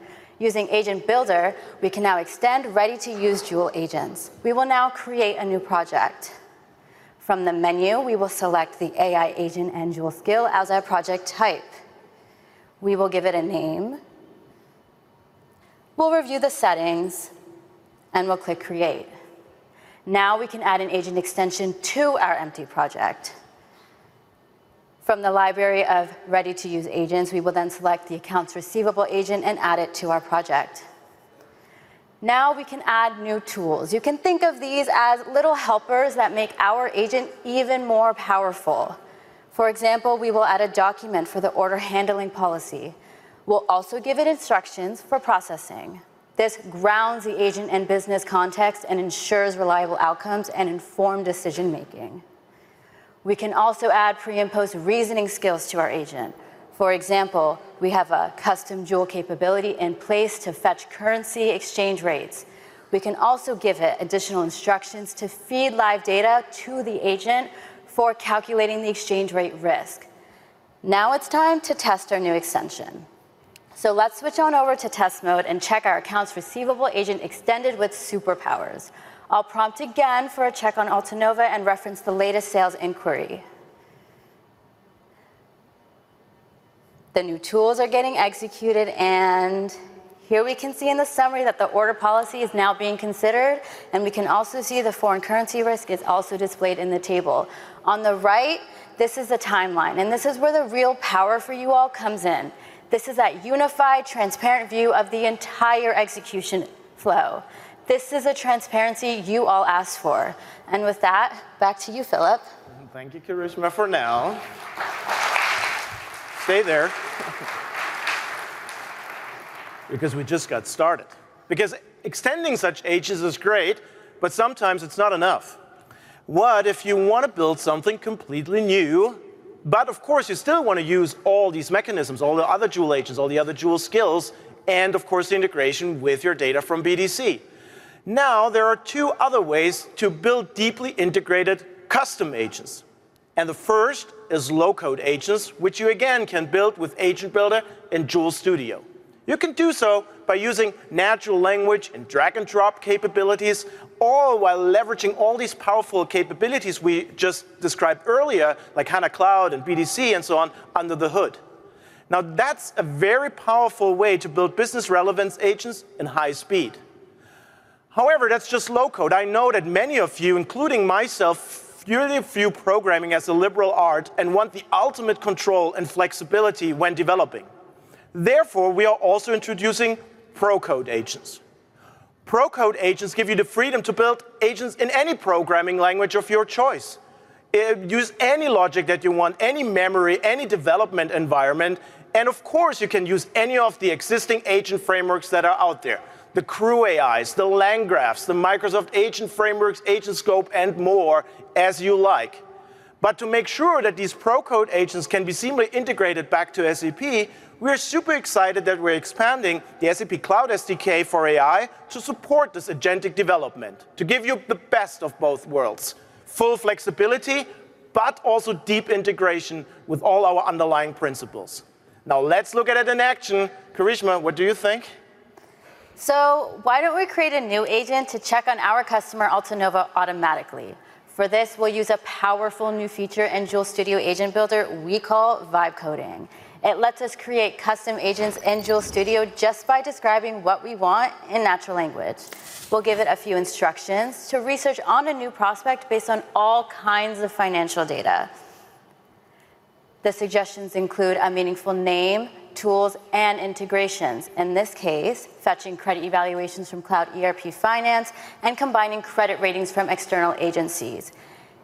Using Agent Builder, we can now extend ready-to-use Joule agents. We will now create a new project. From the menu, we will select the AI agent and Joule skill as our project type. We will give it a name. We'll review the settings and we'll click Create. Now we can add an agent extension to our empty project. From the library of ready-to-use agents, we will then select the accounts receivable agent and add it to our project. Now we can add new tools. You can think of these as little helpers that make our agent even more powerful. For example, we will add a document for the order handling policy. We'll also give it instructions for processing. This grounds the agent in business context and ensures reliable outcomes and informed decision-making. We can also add pre-imposed reasoning skills to our agent. For example, we have a custom Joule capability in place to fetch currency exchange rates. We can also give it additional instructions to feed live data to the agent for calculating the exchange rate risk. Now it is time to test our new extension. Let us switch on over to test mode and check our accounts receivable agent extended with superpowers. I will prompt again for a check on Altenova and reference the latest sales inquiry. The new tools are getting executed, and here we can see in the summary that the order policy is now being considered. We can also see the foreign currency risk is also displayed in the table. On the right, this is the timeline, and this is where the real power for you all comes in. This is that unified transparent view of the entire execution flow. This is the transparency you all asked for. With that, back to you, Philipp. Thank you, Karishma, for now. Stay there. Because we just got started. Extending such agents is great, but sometimes it's not enough. What if you want to build something completely new, but of course, you still want to use all these mechanisms, all the other Joule agents, all the other Joule skills, and of course, integration with your data from BDC? Now there are two other ways to build deeply integrated custom agents. The first is low-code agents, which you again can build with Agent Builder in Joule Studio. You can do so by using natural language and drag-and-drop capabilities, all while leveraging all these powerful capabilities we just described earlier, like Hacker Cloud and BDC and so on, under the hood. That's a very powerful way to build business relevance agents in high speed. However, that's just low-code. I know that many of you, including myself, really view programming as a liberal art and want the ultimate control and flexibility when developing. Therefore, we are also introducing pro-code agents. Pro-code agents give you the freedom to build agents in any programming language of your choice. Use any logic that you want, any memory, any development environment. Of course, you can use any of the existing agent frameworks that are out there: the CrewAIs, the LangGraphs, the Microsoft Agent Frameworks, AgentScope, and more as you like. To make sure that these pro-code agents can be seamlessly integrated back to SAP, we are super excited that we're expanding the SAP Cloud SDK for AI to support this agentic development to give you the best of both worlds: full flexibility, but also deep integration with all our underlying principles. Now let's look at it in action. Karishma, what do you think? Why don't we create a new agent to check on our customer Altenova automatically? For this, we'll use a powerful new feature in Joule Studio Agent Builder we call vibe coding. It lets us create custom agents in Joule Studio just by describing what we want in natural language. We'll give it a few instructions to research on a new prospect based on all kinds of financial data. The suggestions include a meaningful name, tools, and integrations. In this case, fetching credit evaluations from Cloud ERP Finance and combining credit ratings from external agencies.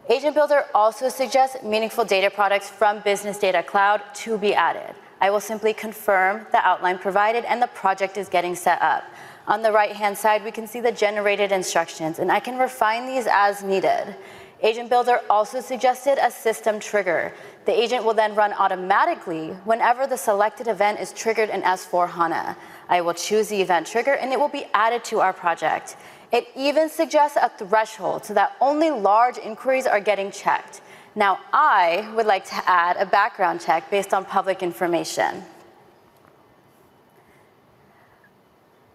Agent Builder also suggests meaningful data products from Business Data Cloud to be added. I will simply confirm the outline provided and the project is getting set up. On the right-hand side, we can see the generated instructions, and I can refine these as needed. Agent Builder also suggested a system trigger. The agent will then run automatically whenever the selected event is triggered in S/4HANA. I will choose the event trigger, and it will be added to our project. It even suggests a threshold so that only large inquiries are getting checked. Now I would like to add a background check based on public information.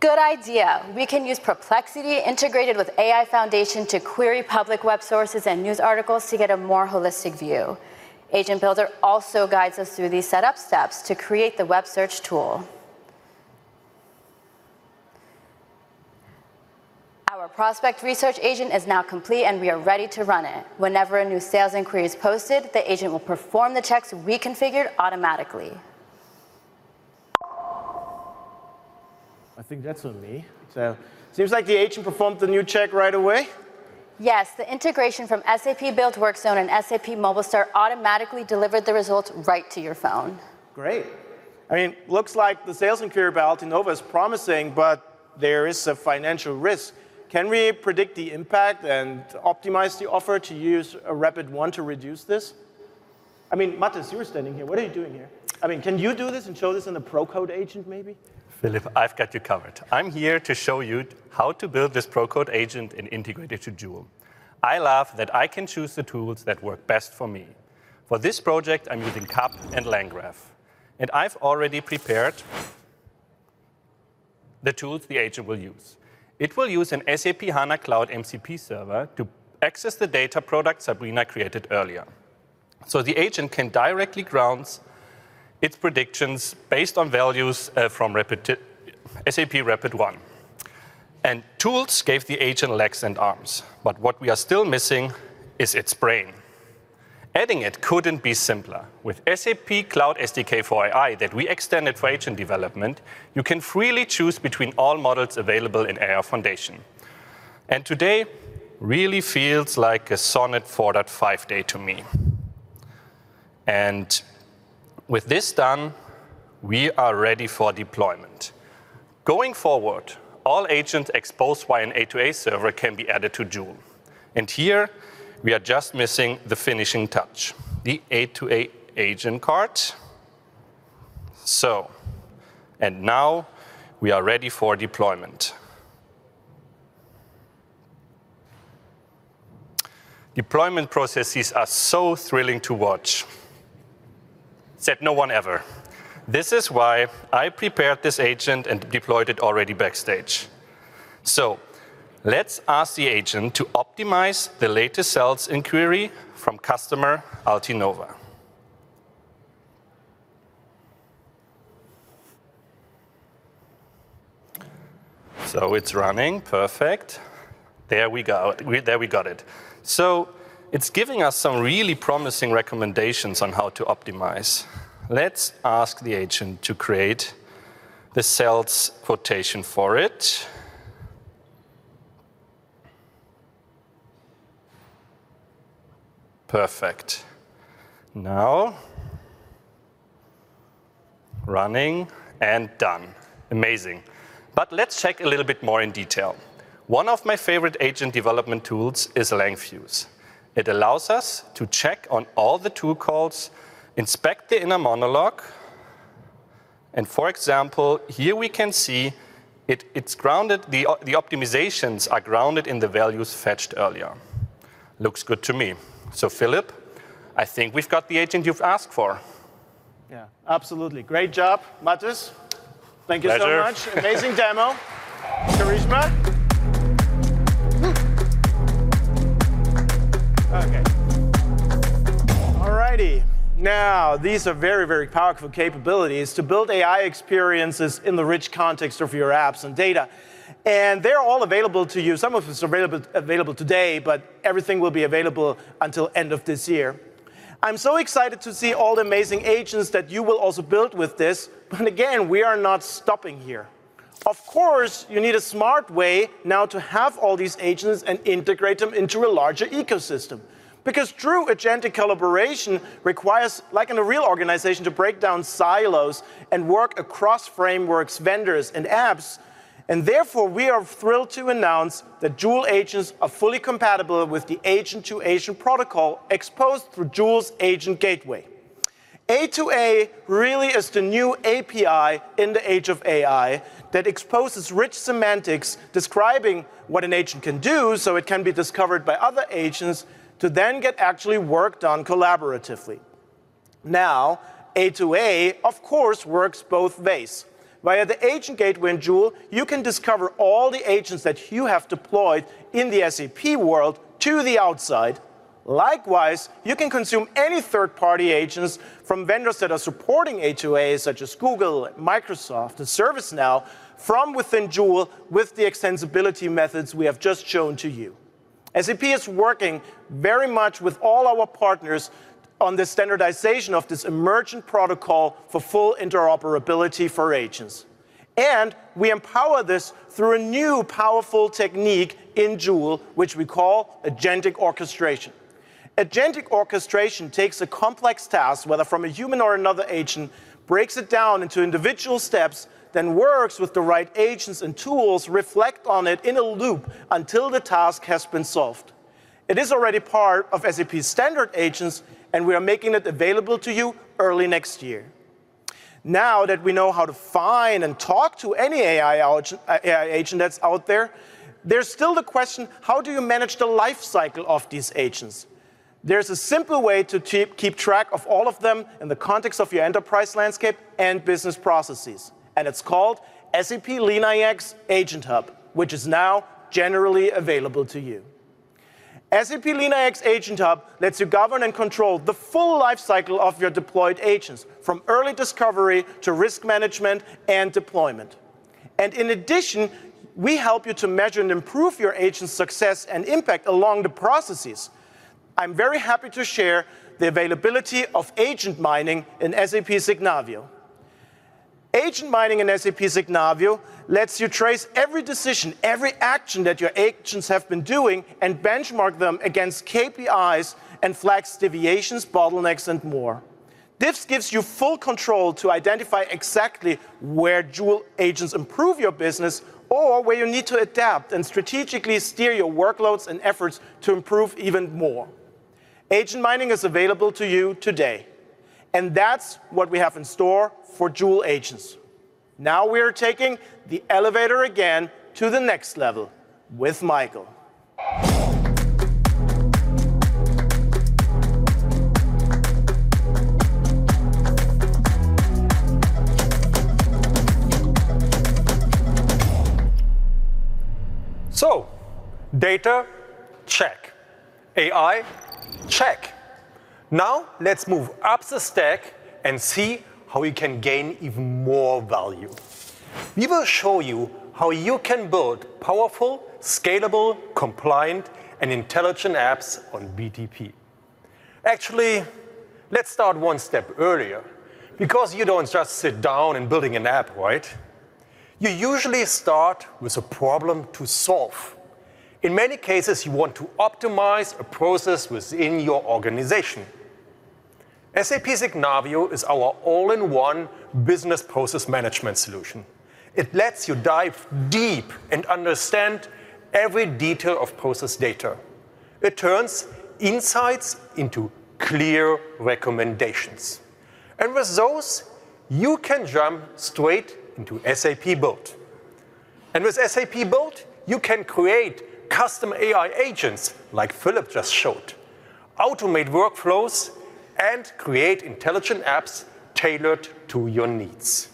Good idea. We can use Perplexity integrated with AI Foundation to query public web sources and news articles to get a more holistic view. Agent Builder also guides us through these setup steps to create the web search tool. Our prospect research agent is now complete, and we are ready to run it. Whenever a new sales inquiry is posted, the agent will perform the checks reconfigured automatically. I think that's on me. It seems like the agent performed the new check right away. Yes, the integration from SAP Build Work Zone and SAP Mobile Star automatically delivered the results right to your phone. Great. I mean, it looks like the sales inquiry about Altenova is promising, but there is a financial risk. Can we predict the impact and optimize the offer to use Rapid-1 to reduce this? I mean, Mattis, you're standing here. What are you doing here? I mean, can you do this and show this in the pro-code agent maybe? Philipp, I've got you covered. I'm here to show you how to build this pro-code agent and integrate it to Joule. I love that I can choose the tools that work best for me. For this project, I'm using CAP and LangGraph. I've already prepared the tools the agent will use. It will use an SAP HANA Cloud MCP server to access the data product Sabrina created earlier. The agent can directly ground its predictions based on values from SAP Rapid-1. Tools gave the agent legs and arms, but what we are still missing is its brain. Adding it could not be simpler. With SAP Cloud SDK for AI that we extended for agent development, you can freely choose between all models available in AI Foundation. Today really feels like a solid four-dot-five day to me. With this done, we are ready for deployment. Going forward, all agents exposed via an A2A server can be added to Joule. Here, we are just missing the finishing touch: the A2A agent cart. Now we are ready for deployment. Deployment processes are so thrilling to watch. Said no one ever. This is why I prepared this agent and deployed it already backstage. Let's ask the agent to optimize the latest sales inquiry from customer Altenova. It's running. Perfect. There we go. There we got it. It's giving us some really promising recommendations on how to optimize. Let's ask the agent to create the sales quotation for it. Perfect. Now running and done. Amazing. Let's check a little bit more in detail. One of my favorite agent development tools is Langfuse. It allows us to check on all the tool calls, inspect the inner monologue. For example, here we can see it's grounded. The optimizations are grounded in the values fetched earlier. Looks good to me. Philipp, I think we've got the agent you've asked for. Yeah, absolutely. Great job, Mattis. Thank you so much. Amazing demo, Karishma. Okay. All righty. Now these are very, very powerful capabilities to build AI experiences in the rich context of your apps and data. And they are all available to you. Some of it is available today, but everything will be available until the end of this year. I'm so excited to see all the amazing agents that you will also build with this. Again, we are not stopping here. Of course, you need a smart way now to have all these agents and integrate them into a larger ecosystem. Because true agentic collaboration requires, like in a real organization, to break down silos and work across frameworks, vendors, and apps. Therefore, we are thrilled to announce that Joule agents are fully compatible with the agent-to-agent protocol exposed through Joule's Agent Gateway. A2A really is the new API in the age of AI that exposes rich semantics describing what an agent can do so it can be discovered by other agents to then get actually work done collaboratively. Now, A2A, of course, works both ways. Via the Agent Gateway in Joule, you can discover all the agents that you have deployed in the SAP world to the outside. Likewise, you can consume any third-party agents from vendors that are supporting A2A, such as Google and Microsoft and ServiceNow, from within Jewel with the extensibility methods we have just shown to you. SAP is working very much with all our partners on the standardization of this emergent protocol for full interoperability for agents. We empower this through a new powerful technique in Joule, which we call agentic orchestration. Agentic orchestration takes a complex task, whether from a human or another agent, breaks it down into individual steps, then works with the right agents and tools, reflects on it in a loop until the task has been solved. It is already part of SAP's standard agents, and we are making it available to you early next year. Now that we know how to find and talk to any AI agent that's out there, there's still the question: how do you manage the lifecycle of these agents? There's a simple way to keep track of all of them in the context of your enterprise landscape and business processes. It is called SAP LeanIX Agent Hub, which is now generally available to you. SAP LeanIX Agent Hub lets you govern and control the full lifecycle of your deployed agents, from early discovery to risk management and deployment. In addition, we help you to measure and improve your agent's success and impact along the processes. I am very happy to share the availability of agent mining in SAP Signavio. Agent mining in SAP Signavio lets you trace every decision, every action that your agents have been doing, and benchmark them against KPIs and flags deviations, bottlenecks, and more. This gives you full control to identify exactly where Joule agents improve your business or where you need to adapt and strategically steer your workloads and efforts to improve even more. Agent mining is available to you today. That is what we have in store for Joule agents. Now we are taking the elevator again to the next level with Michael. Data check, AI check. Now let's move up the stack and see how we can gain even more value. We will show you how you can build powerful, scalable, compliant, and intelligent apps on BDP. Actually, let's start one step earlier. Because you don't just sit down and build an app, right? You usually start with a problem to solve. In many cases, you want to optimize a process within your organization. SAP Signavio is our all-in-one business process management solution. It lets you dive deep and understand every detail of process data. It turns insights into clear recommendations. With those, you can jump straight into SAP Build. With SAP Build, you can create custom AI agents like Philipp just showed, automate workflows, and create intelligent apps tailored to your needs.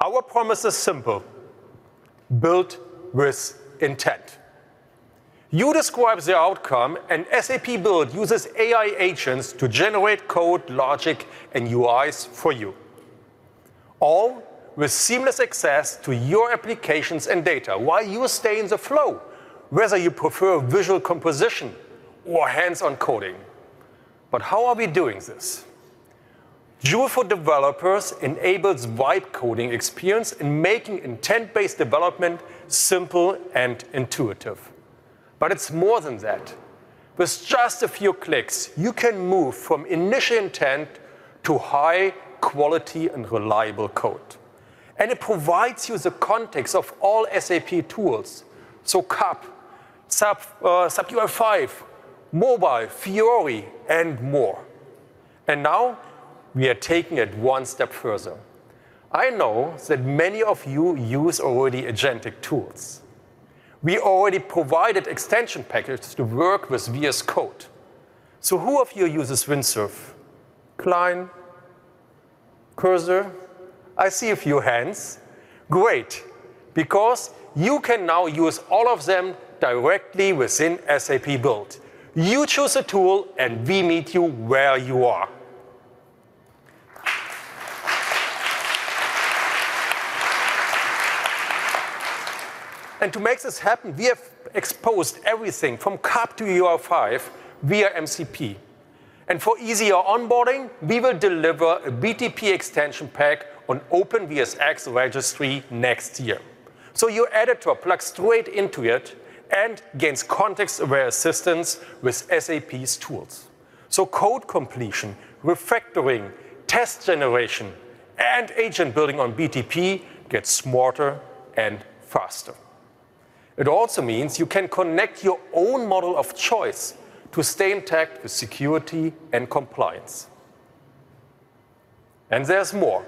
Our promise is simple: build with intent. You describe the outcome, and SAP Build uses AI agents to generate code, logic, and UIs for you, all with seamless access to your applications and data while you stay in the flow, whether you prefer visual composition or hands-on coding. How are we doing this? Joule for developers enables vibe coding experience in making intent-based development simple and intuitive. It is more than that. With just a few clicks, you can move from initial intent to high-quality and reliable code. It provides you the context of all SAP tools, so CAP, SAP UI5, mobile, Fiori, and more. Now we are taking it one step further. I know that many of you already use agentic tools. We already provided extension packages to work with VS Code. Who of you uses Windsurf, Cline, Cursor? I see a few hands. Great. Because you can now use all of them directly within SAP Build. You choose a tool, and we meet you where you are. To make this happen, we have exposed everything from CAP to UI5 via MCP. For easier onboarding, we will deliver a BDP extension pack on OpenVSX registry next year. Your editor plugs straight into it and gains context-aware assistance with SAP's tools. Code completion, refactoring, test generation, and agent building on BDP gets smarter and faster. It also means you can connect your own model of choice to stay intact with security and compliance. There is more.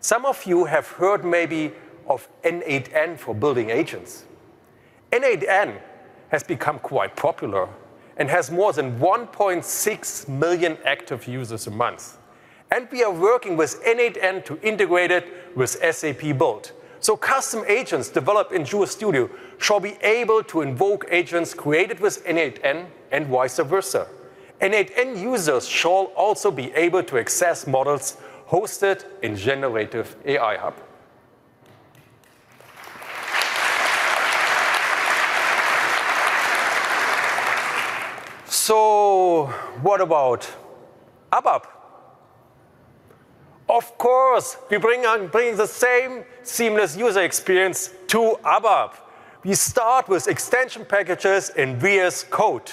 Some of you have heard maybe of n8n for building agents. N8n has become quite popular and has more than 1.6 million active users a month. We are working with n8n to integrate it with SAP Build. Custom agents developed in Jewel Studio shall be able to invoke agents created with n8n and vice versa. N8n users shall also be able to access models hosted in Generative AI Hub. What about ABAP? Of course, we bring the same seamless user experience to ABAP. We start with extension packages in VS Code.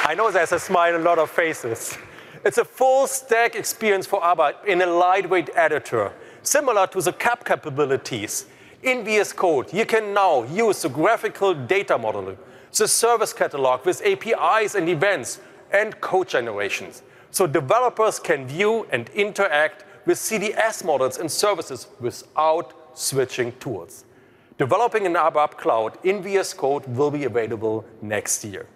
I know there's a smile on a lot of faces. It's a full-stack experience for ABAP in a lightweight editor, similar to the CAP capabilities. In VS Code, you can now use the graphical data modeling, the service catalog with APIs and events, and code generations. Developers can view and interact with CDS models and services without switching tools. Developing an ABAP cloud in VS Code will be available next year.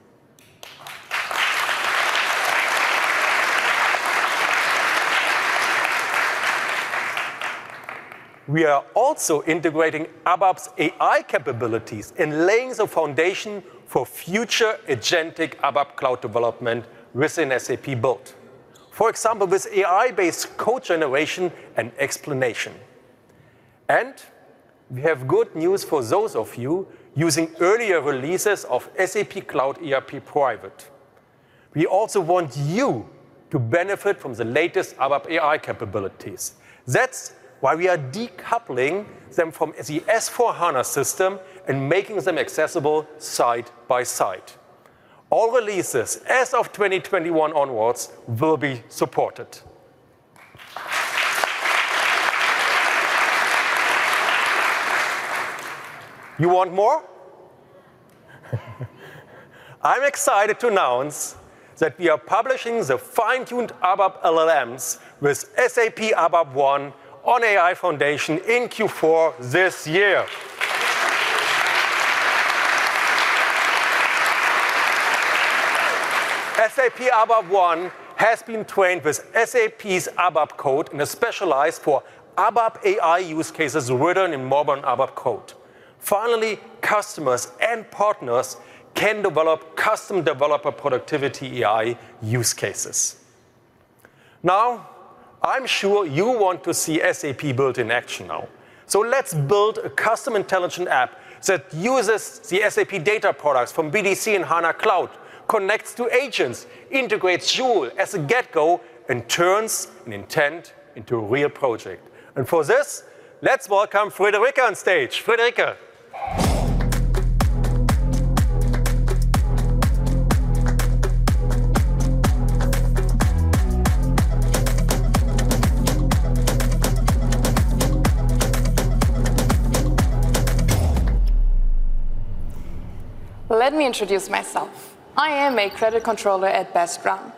We are also integrating ABAP's AI capabilities and laying the foundation for future agentic ABAP cloud development within SAP Build. For example, with AI-based code generation and explanation. We have good news for those of you using earlier releases of SAP Cloud ERP Private. We also want you to benefit from the latest ABAP AI capabilities. That is why we are decoupling them from the S/4HANA system and making them accessible side-by-side. All releases as of 2021 onwards will be supported. You want more? I am excited to announce that we are publishing the fine-tuned ABAP LLMs with SAP ABAP One on AI Foundation in Q4 this year. SAP ABAP One has been trained with SAP's ABAP code and is specialized for ABAP AI use cases written in modern ABAP code. Finally, customers and partners can develop custom developer productivity AI use cases. Now I am sure you want to see SAP Build in action now. Let's build a custom intelligent app that uses the SAP data products from BDC and HANA Cloud, connects to agents, integrates Joule as a get-go, and turns an intent into a real project. For this, let's welcome Fredericka on stage. Fredericka. Let me introduce myself. I am a credit controller at Best Run.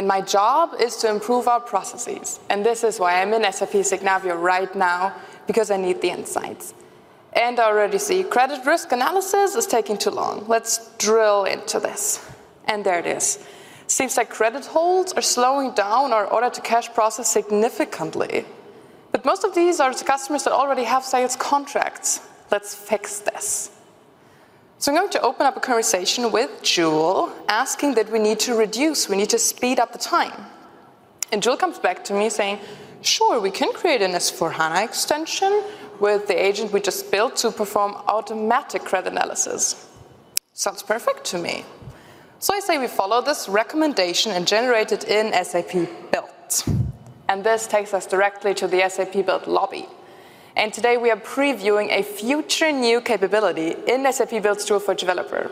My job is to improve our processes. This is why I'm in SAP Signavio right now, because I need the insights. I already see credit risk analysis is taking too long. Let's drill into this. There it is. Seems like credit holds are slowing down our order-to-cash process significantly. Most of these are the customers that already have sales contracts. Let's fix this. I'm going to open up a conversation with Joule, asking that we need to reduce, we need to speed up the time. Joule comes back to me saying, "Sure, we can create an S/4HANA extension with the agent we just built to perform automatic credit analysis." Sounds perfect to me. I say we follow this recommendation and generate it in SAP Build. This takes us directly to the SAP Build lobby. Today we are previewing a future new capability in SAP Build's tool for developer.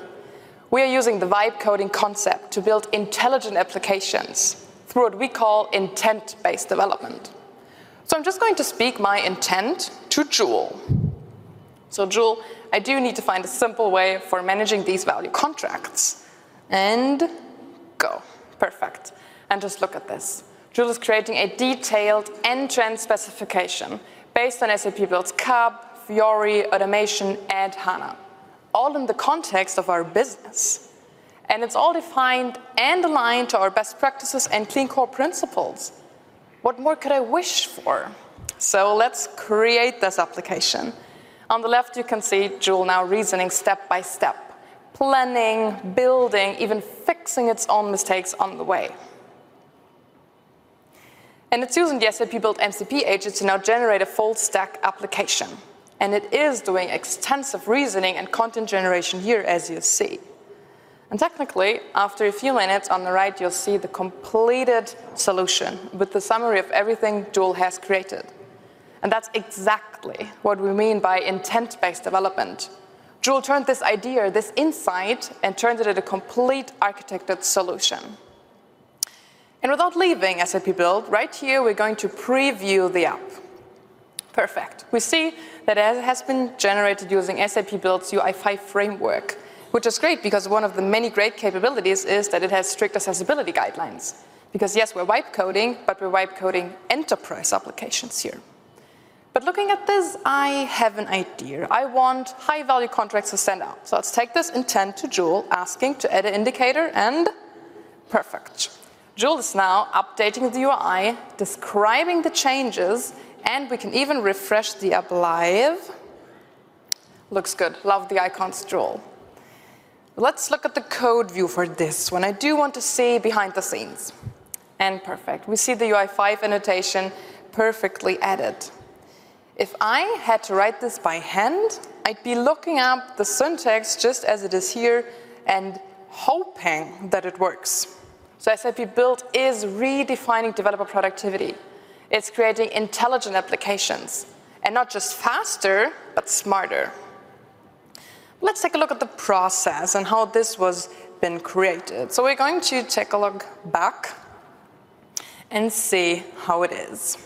We are using the vibe coding concept to build intelligent applications through what we call intent-based development. I'm just going to speak my intent to Joule. Joule, I do need to find a simple way for managing these value contracts. Go. Perfect. Just look at this. Joule is creating a detailed end-to-end specification based on SAP Build's CAP, Fiori, automation, and HANA, all in the context of our business. It is all defined and aligned to our best practices and clean core principles. What more could I wish for? Let's create this application. On the left, you can see Joule now reasoning step by step, planning, building, even fixing its own mistakes on the way. It is using the SAP Build MCP agent to now generate a full-stack application. It is doing extensive reasoning and content generation here, as you see. Technically, after a few minutes on the right, you'll see the completed solution with the summary of everything Joule has created. That is exactly what we mean by intent-based development. Joule turned this idea, this insight, and turned it into a complete architected solution. Without leaving SAP Build, right here, we're going to preview the app. Perfect. We see that it has been generated using SAP Build's UI5 framework, which is great because one of the many great capabilities is that it has strict accessibility guidelines. Yes, we're vibe coding, but we're vibe coding enterprise applications here. Looking at this, I have an idea. I want high-value contracts to stand out. Let's take this intent to Joule, asking to add an indicator, and perfect. Joule is now updating the UI, describing the changes, and we can even refresh the app live. Looks good. Love the icons, Joule. Let's look at the code view for this one. I do want to see behind the scenes. Perfect. We see the UI5 annotation perfectly added. If I had to write this by hand, I'd be looking up the syntax just as it is here and hoping that it works. SAP Build is redefining developer productivity. It's creating intelligent applications and not just faster, but smarter. Let's take a look at the process and how this was been created. We're going to take a look back and see how it is.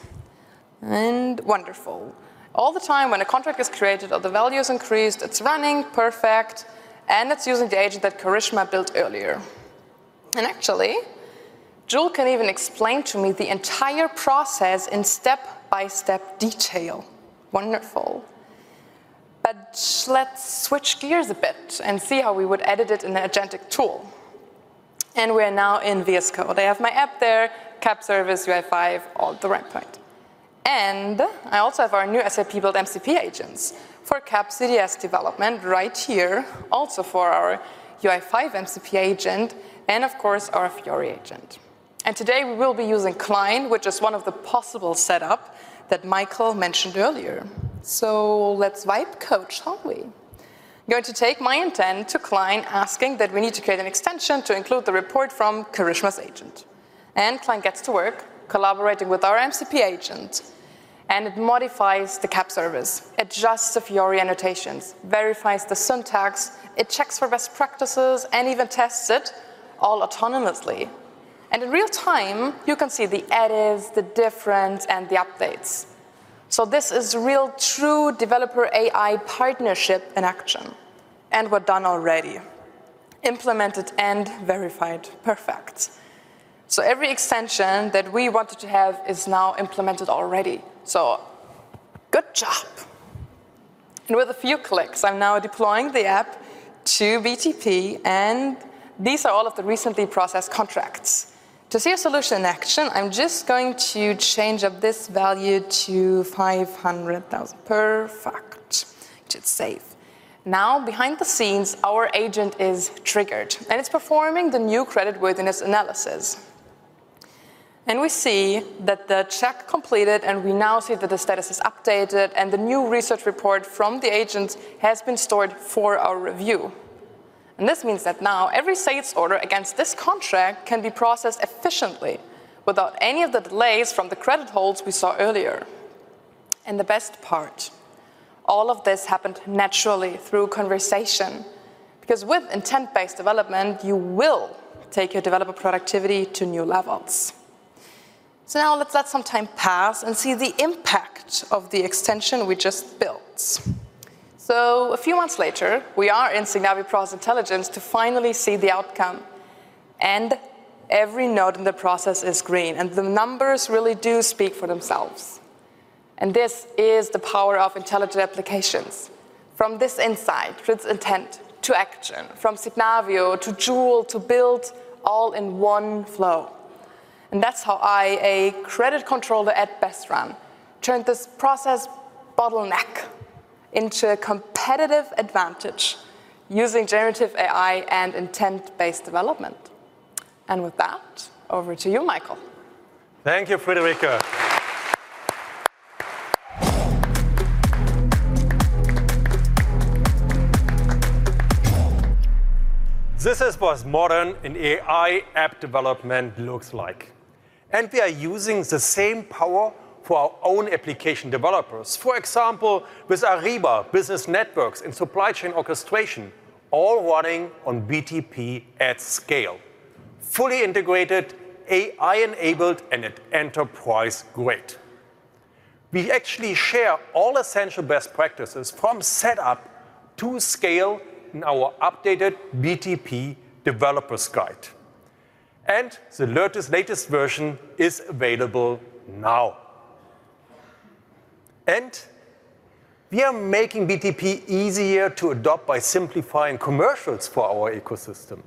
Wonderful. All the time when a contract is created or the value is increased, it's running perfect, and it's using the agent that Karishma built earlier. Actually, Joule can even explain to me the entire process in step-by-step detail. Wonderful. Let's switch gears a bit and see how we would edit it in an agentic tool. We are now in VS Code. I have my app there, CAP service, UI5, all at the right point. I also have our new SAP Build MCP agents for CAP CDS development right here, also for our UI5 MCP agent, and of course, our Fiori agent. Today we will be using Cline, which is one of the possible setups that Michael mentioned earlier. Let's vibe coach, shall we? I'm going to take my intent to Cline, asking that we need to create an extension to include the report from Karishma's agent. Klein gets to work collaborating with our MCP agent. It modifies the CAP service, adjusts the Fiori annotations, verifies the syntax, checks for best practices, and even tests it all autonomously. In real time, you can see the edits, the difference, and the updates. This is a real true developer AI partnership in action. We're done already. Implemented and verified. Perfect. Every extension that we wanted to have is now implemented already. Good job. With a few clicks, I'm now deploying the app to BTP, and these are all of the recently processed contracts. To see a solution in action, I'm just going to change up this value to 500,000. Perfect. It's safe. Now behind the scenes, our agent is triggered, and it's performing the new creditworthiness analysis. We see that the check completed, and we now see that the status is updated, and the new research report from the agent has been stored for our review. This means that now every sales order against this contract can be processed efficiently without any of the delays from the credit holds we saw earlier. The best part, all of this happened naturally through conversation. Because with intent-based development, you will take your developer productivity to new levels. Let some time pass and see the impact of the extension we just built. A few months later, we are in Signavio Process Intelligence to finally see the outcome. Every node in the process is green, and the numbers really do speak for themselves. This is the power of intelligent applications. From this insight, from this intent to action, from Signavio to Joule to Build, all in one flow. That is how I, a credit controller at Best Run, turned this process bottleneck into a competitive advantage using generative AI and intent-based development. With that, over to you, Michael. Thank you, Fredericka. This is what modern and AI app development looks like. We are using the same power for our own application developers. For example, with Ariba, business networks and supply chain orchestration, all running on BTP at scale. Fully integrated, AI-enabled, and at enterprise grade. We actually share all essential best practices from setup to scale in our updated BTP Developers Guide. The latest version is available now. We are making BTP easier to adopt by simplifying commercials for our ecosystem.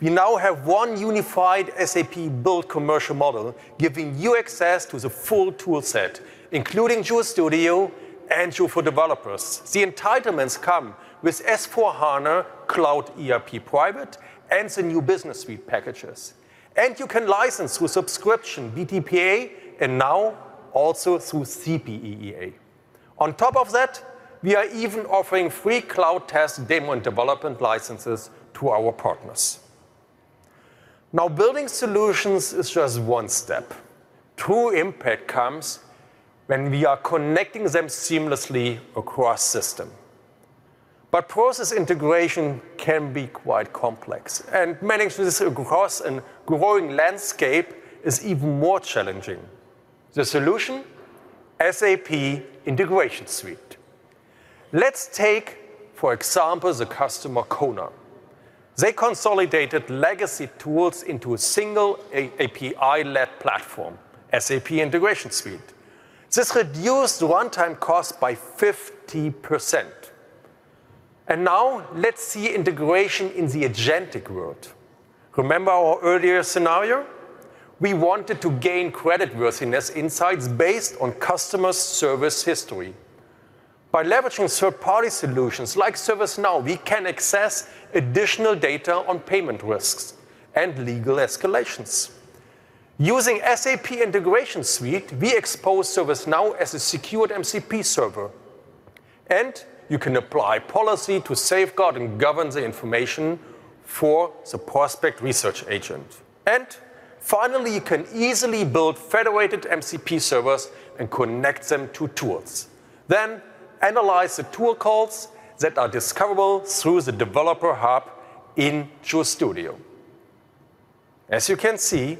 We now have one unified SAP Build commercial model, giving you access to the full toolset, including Joule Studio and Joule for Developers. The entitlements come with S/4HANA Cloud ERP Private and the new business suite packages. You can license through subscription BTPA and now also through CPEA. On top of that, we are even offering free cloud test demo and development licenses to our partners. Now, building solutions is just one step. True impact comes when we are connecting them seamlessly across systems. Process integration can be quite complex, and managing this across a growing landscape is even more challenging. The solution? SAP Integration Suite. Let's take, for example, the customer KONA. They consolidated legacy tools into a single API-led platform, SAP Integration Suite. This reduced the runtime cost by 50%. Now let's see integration in the agentic world. Remember our earlier scenario? We wanted to gain creditworthiness insights based on customer service history. By leveraging third-party solutions like ServiceNow, we can access additional data on payment risks and legal escalations. Using SAP Integration Suite, we expose ServiceNow as a secured MCP server. You can apply policy to safeguard and govern the information for the prospect research agent. Finally, you can easily build federated MCP servers and connect them to tools. Analyze the tool calls that are discoverable through the developer hub in Joule Studio. As you can see,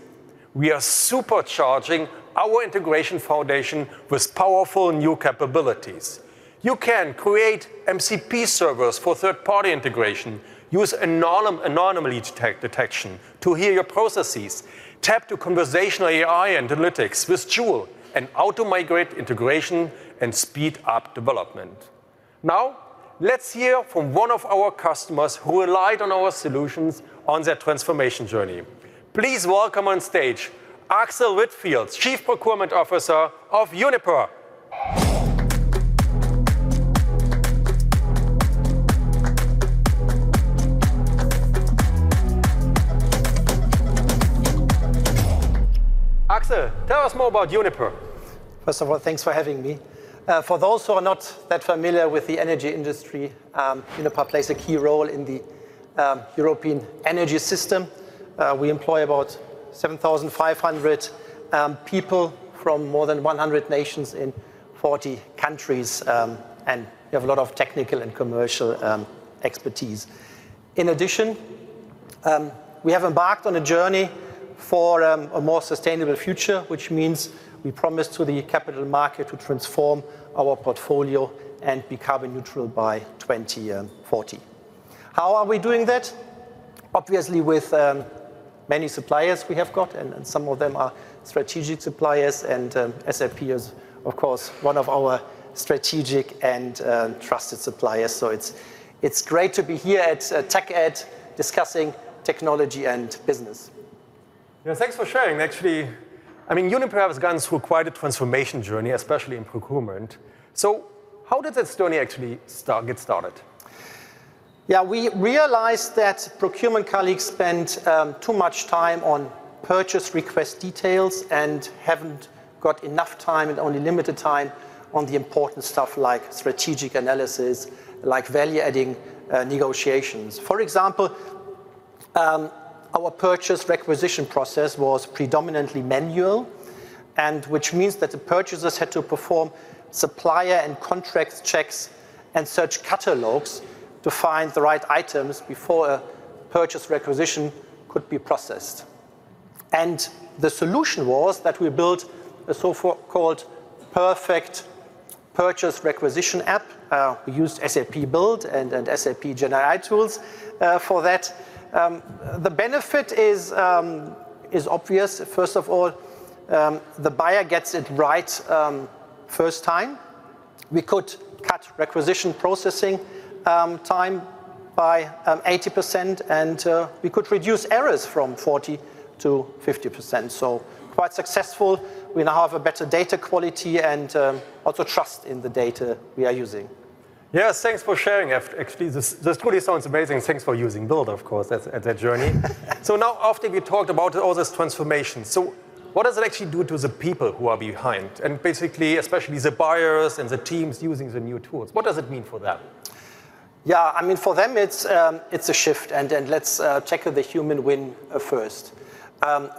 we are supercharging our integration foundation with powerful new capabilities. You can create MCP servers for third-party integration, use anonymous anomaly detection to hear your processes, tap to conversational AI analytics with Joule, and automigrate integration and speed up development. Now, let's hear from one of our customers who relied on our solutions on their transformation journey. Please welcome on stage Axel Wietfield, Chief Procurement Officer of Uniper. Axel, tell us more about Uniper. First of all, thanks for having me. For those who are not that familiar with the energy industry, Uniper plays a key role in the European energy system. We employ about 7,500 people from more than 100 nations in 40 countries, and we have a lot of technical and commercial expertise. In addition, we have embarked on a journey for a more sustainable future, which means we promise to the capital market to transform our portfolio and be carbon neutral by 2040. How are we doing that? Obviously, with many suppliers we have got, and some of them are strategic suppliers, and SAP is, of course, one of our strategic and trusted suppliers. It is great to be here at TechEd discussing technology and business. Yeah, thanks for sharing. Actually, I mean, Uniper has gone through quite a transformation journey, especially in procurement. How did that journey actually get started? Yeah, we realized that procurement colleagues spent too much time on purchase request details and have not got enough time and only limited time on the important stuff like strategic analysis, like value-adding negotiations. For example, our purchase requisition process was predominantly manual, which means that the purchasers had to perform supplier and contract checks and search catalogs to find the right items before a purchase requisition could be processed. The solution was that we built a so-called perfect purchase requisition app. We used SAP Build and SAP GenAI tools for that. The benefit is obvious. First of all, the buyer gets it right first time. We could cut requisition processing time by 80%, and we could reduce errors from 40%-50%. Quite successful. We now have a better data quality and also trust in the data we are using. Yes, thanks for sharing. Actually, this truly sounds amazing. Thanks for using Build, of course, at that journey. Now, after we talked about all this transformation, what does it actually do to the people who are behind? Basically, especially the buyers and the teams using the new tools, what does it mean for them? Yeah, I mean, for them, it's a shift. Let's take the human win first.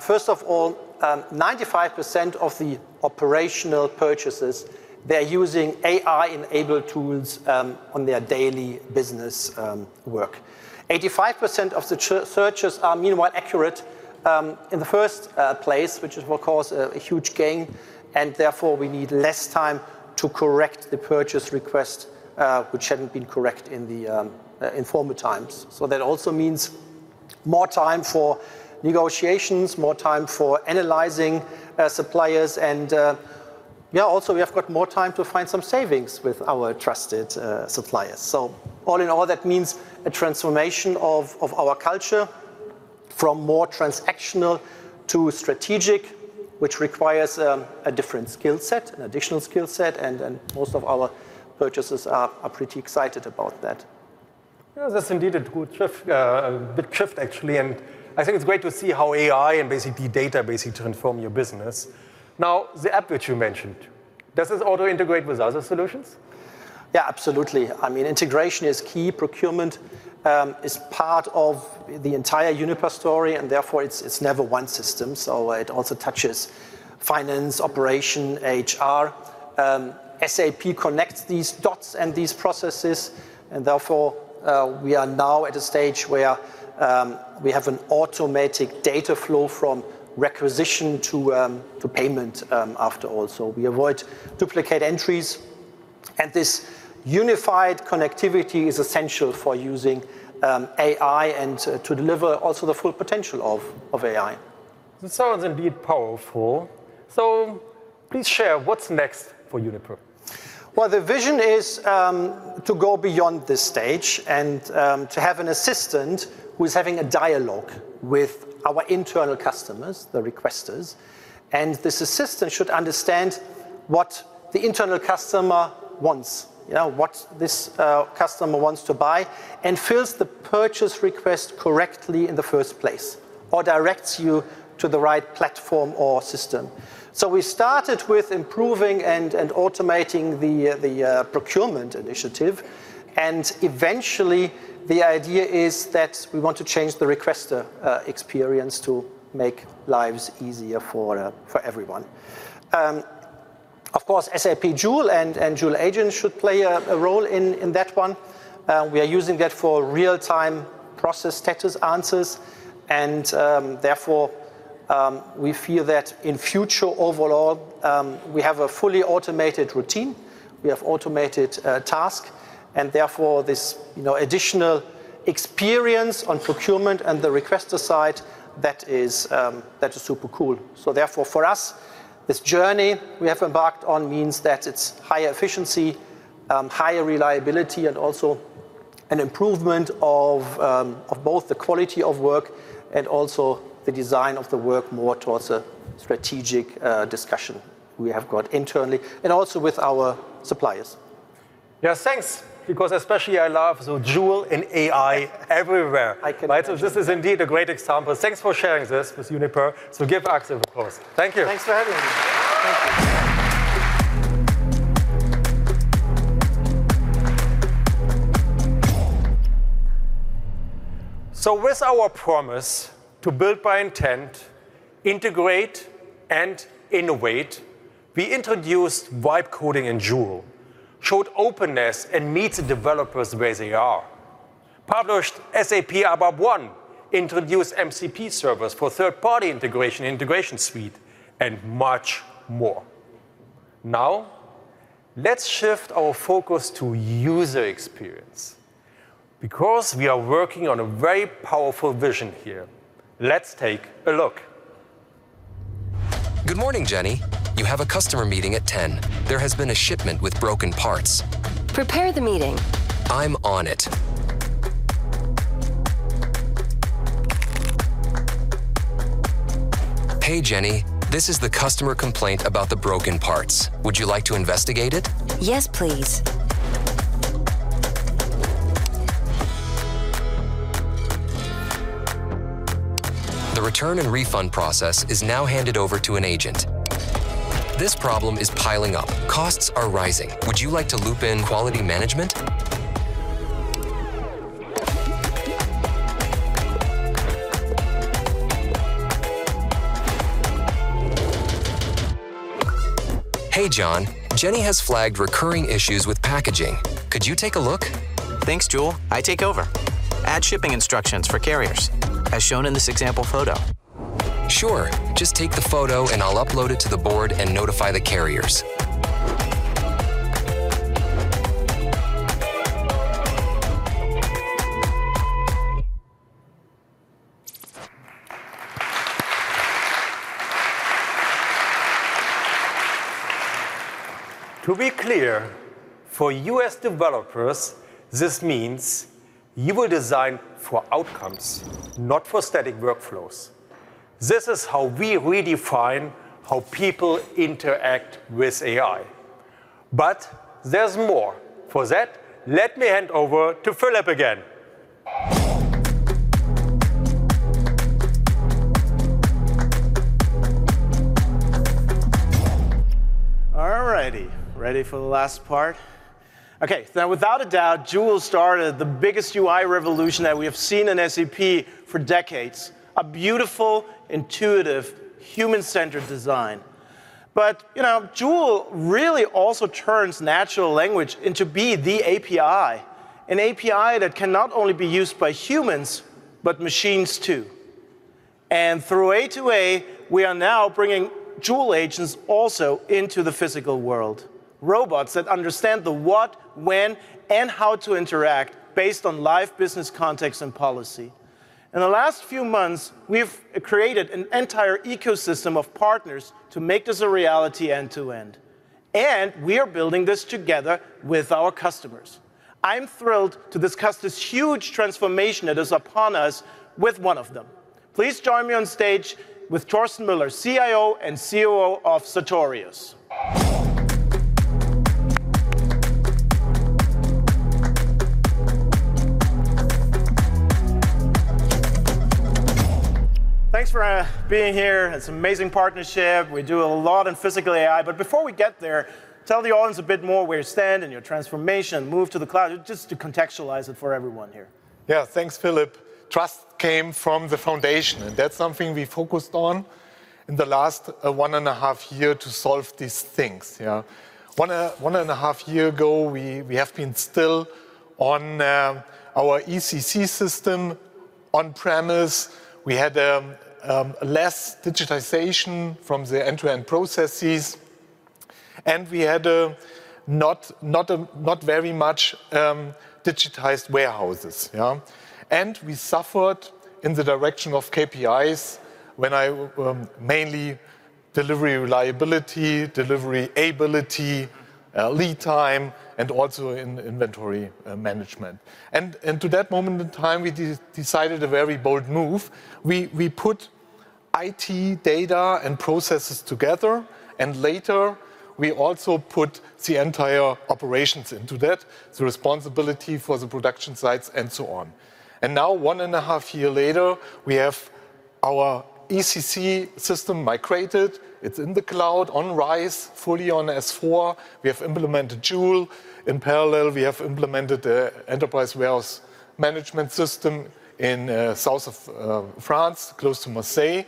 First of all, 95% of the operational purchases, they're using AI-enabled tools on their daily business work. 85% of the searches are, meanwhile, accurate in the first place, which will cause a huge gain. Therefore, we need less time to correct the purchase request, which hadn't been correct in the former times. That also means more time for negotiations, more time for analyzing suppliers. Yeah, also, we have got more time to find some savings with our trusted suppliers. All in all, that means a transformation of our culture from more transactional to strategic, which requires a different skill set, an additional skill set. Most of our purchasers are pretty excited about that. Yeah, that's indeed a good shift, actually. I think it's great to see how AI and basically data basically transform your business. Now, the app that you mentioned, does it auto-integrate with other solutions? Yeah, absolutely. I mean, integration is key. Procurement is part of the entire Uniper story, and therefore, it's never one system. It also touches finance, operation, HR. SAP connects these dots and these processes. Therefore, we are now at a stage where we have an automatic data flow from requisition to payment after all. We avoid duplicate entries. This unified connectivity is essential for using AI and to deliver also the full potential of AI. That sounds indeed powerful. Please share, what's next for Uniper? The vision is to go beyond this stage and to have an assistant who is having a dialogue with our internal customers, the requesters. This assistant should understand what the internal customer wants, what this customer wants to buy, and fills the purchase request correctly in the first place or directs you to the right platform or system. We started with improving and automating the procurement initiative. Eventually, the idea is that we want to change the requester experience to make lives easier for everyone. Of course, SAP Joule and Joule Agent should play a role in that one. We are using that for real-time process status answers. Therefore, we feel that in future overall, we have a fully automated routine. We have automated tasks. Therefore, this additional experience on procurement and the requester side, that is super cool. Therefore, for us, this journey we have embarked on means that it's higher efficiency, higher reliability, and also an improvement of both the quality of work and also the design of the work more towards a strategic discussion we have got internally and also with our suppliers. Yes, thanks. Because especially, I love the Joule and AI everywhere. I can imagine. This is indeed a great example. Thanks for sharing this with Uniper. Give Axel an applause. Thank you. Thanks for having me. Thank you. With our promise to build by intent, integrate, and innovate, we introduced Vibe Coding and Joule, showed openness, and meet the developers where they are. Published SAP ABAP One, introduced MCP servers for third-party integration and Integration Suite, and much more. Now, let's shift our focus to user experience. Because we are working on a very powerful vision here, let's take a look. Good morning, Jenny. You have a customer meeting at 10:00 A.M. There has been a shipment with broken parts. Prepare the meeting. I'm on it. Hey, Jenny. This is the customer complaint about the broken parts. Would you like to investigate it? Yes, please. The return and refund process is now handed over to an agent. This problem is piling up. Costs are rising. Would you like to loop in quality management? Hey, John. Jenny has flagged recurring issues with packaging. Could you take a look? Thanks, Joule. I take over. Add shipping instructions for carriers, as shown in this example photo. Sure. Just take the photo, and I'll upload it to the board and notify the carriers. To be clear, for U.S. developers, this means you will design for outcomes, not for static workflows. This is how we redefine how people interact with AI. There is more. For that, let me hand over to Philipp again. All righty. Ready for the last part? OK, now, without a doubt, Joule started the biggest UI revolution that we have seen in SAP for decades: a beautiful, intuitive, human-centered design. Joule really also turns natural language into being the API, an API that can not only be used by humans, but machines, too. Through A2A, we are now bringing Joule agents also into the physical world, robots that understand the what, when, and how to interact based on live business context and policy. In the last few months, we've created an entire ecosystem of partners to make this a reality end to end. We are building this together with our customers. I'm thrilled to discuss this huge transformation that is upon us with one of them. Please join me on stage with Torsten Müller, CIO and COO of Sartorius. Thanks for being here. It's an amazing partnership. We do a lot in physical AI. Before we get there, tell the audience a bit more where you stand and your transformation, move to the cloud, just to contextualize it for everyone here. Yeah, thanks, Philipp. Trust came from the foundation. That's something we focused on in the last one and a half years to solve these things. One and a half years ago, we have been still on our ECC system on-premise. We had less digitization from the end-to-end processes. We had not very much digitized warehouses. We suffered in the direction of KPIs, mainly delivery reliability, delivery ability, lead time, and also in inventory management. At that moment in time, we decided a very bold move. We put IT data and processes together. Later, we also put the entire operations into that, the responsibility for the production sites and so on. Now, one and a half years later, we have our ECC system migrated. It's in the cloud, on RISE, fully on S/4. We have implemented Joule. In parallel, we have implemented the enterprise warehouse management system in the south of France, close to Marseille.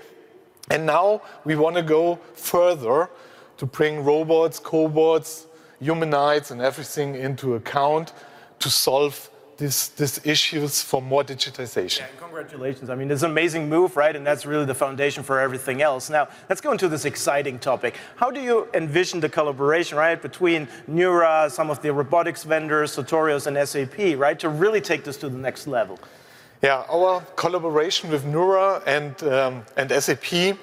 Now, we want to go further to bring robots, cobots, humanoids, and everything into account to solve these issues for more digitization. Yeah, and congratulations. I mean, it's an amazing move, right? That is really the foundation for everything else. Now, let's go into this exciting topic. How do you envision the collaboration between Neura, some of the robotics vendors, Sartorius, and SAP to really take this to the next level? Yeah, our collaboration with Neura and SAP,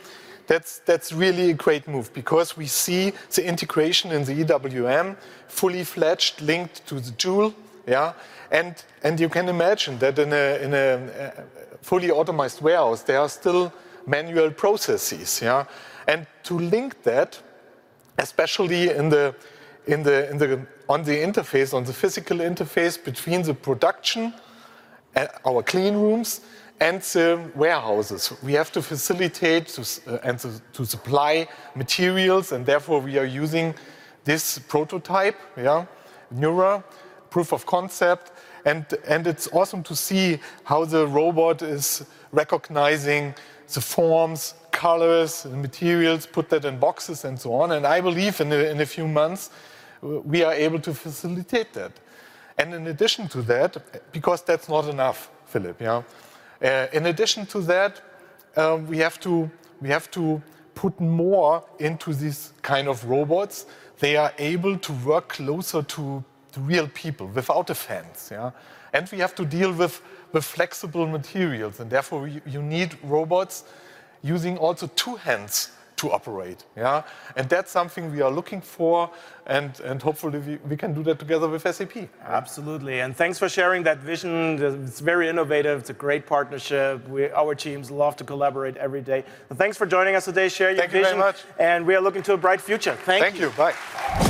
that's really a great move because we see the integration in the EWM fully-fledged, linked to the Joule. You can imagine that in a fully automized warehouse, there are still manual processes. To link that, especially on the physical interface between the production and our clean rooms and the warehouses, we have to facilitate and to supply materials. Therefore, we are using this prototype, Neura, proof of concept. It's awesome to see how the robot is recognizing the forms, colors, materials, put that in boxes, and so on. I believe in a few months, we are able to facilitate that. In addition to that, because that's not enough, Philip, in addition to that, we have to put more into these kind of robots. They are able to work closer to real people without the hands. We have to deal with flexible materials. Therefore, you need robots using also two hands to operate. That is something we are looking for. Hopefully, we can do that together with SAP. Absolutely. Thanks for sharing that vision. It's very innovative. It's a great partnership. Our teams love to collaborate every day. Thanks for joining us today. Share your vision. Thank you very much. We are looking to a bright future. Thank you. Thank you. Bye.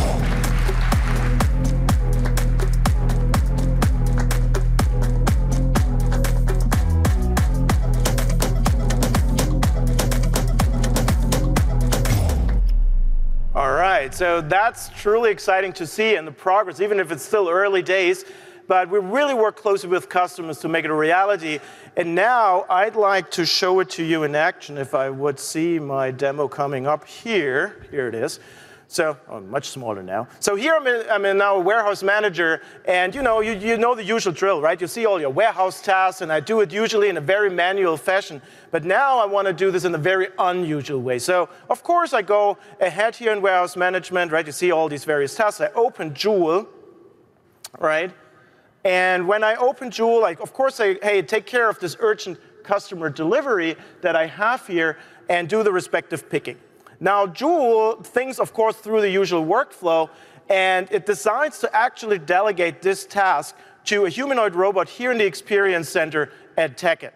All right. That is truly exciting to see and the progress, even if it is still early days. We really work closely with customers to make it a reality. Now, I would like to show it to you in action if I would see my demo coming up here. Here it is. Much smaller now. Here, I am now a warehouse manager. You know the usual drill, right? You see all your warehouse tasks. I do it usually in a very manual fashion. Now, I want to do this in a very unusual way. Of course, I go ahead here in warehouse management. You see all these various tasks. I open Joule. When I open Joule, I take care of this urgent customer delivery that I have here and do the respective picking. Now, Joule thinks, of course, through the usual workflow. It decides to actually delegate this task to a humanoid robot here in the experience center at TechEd.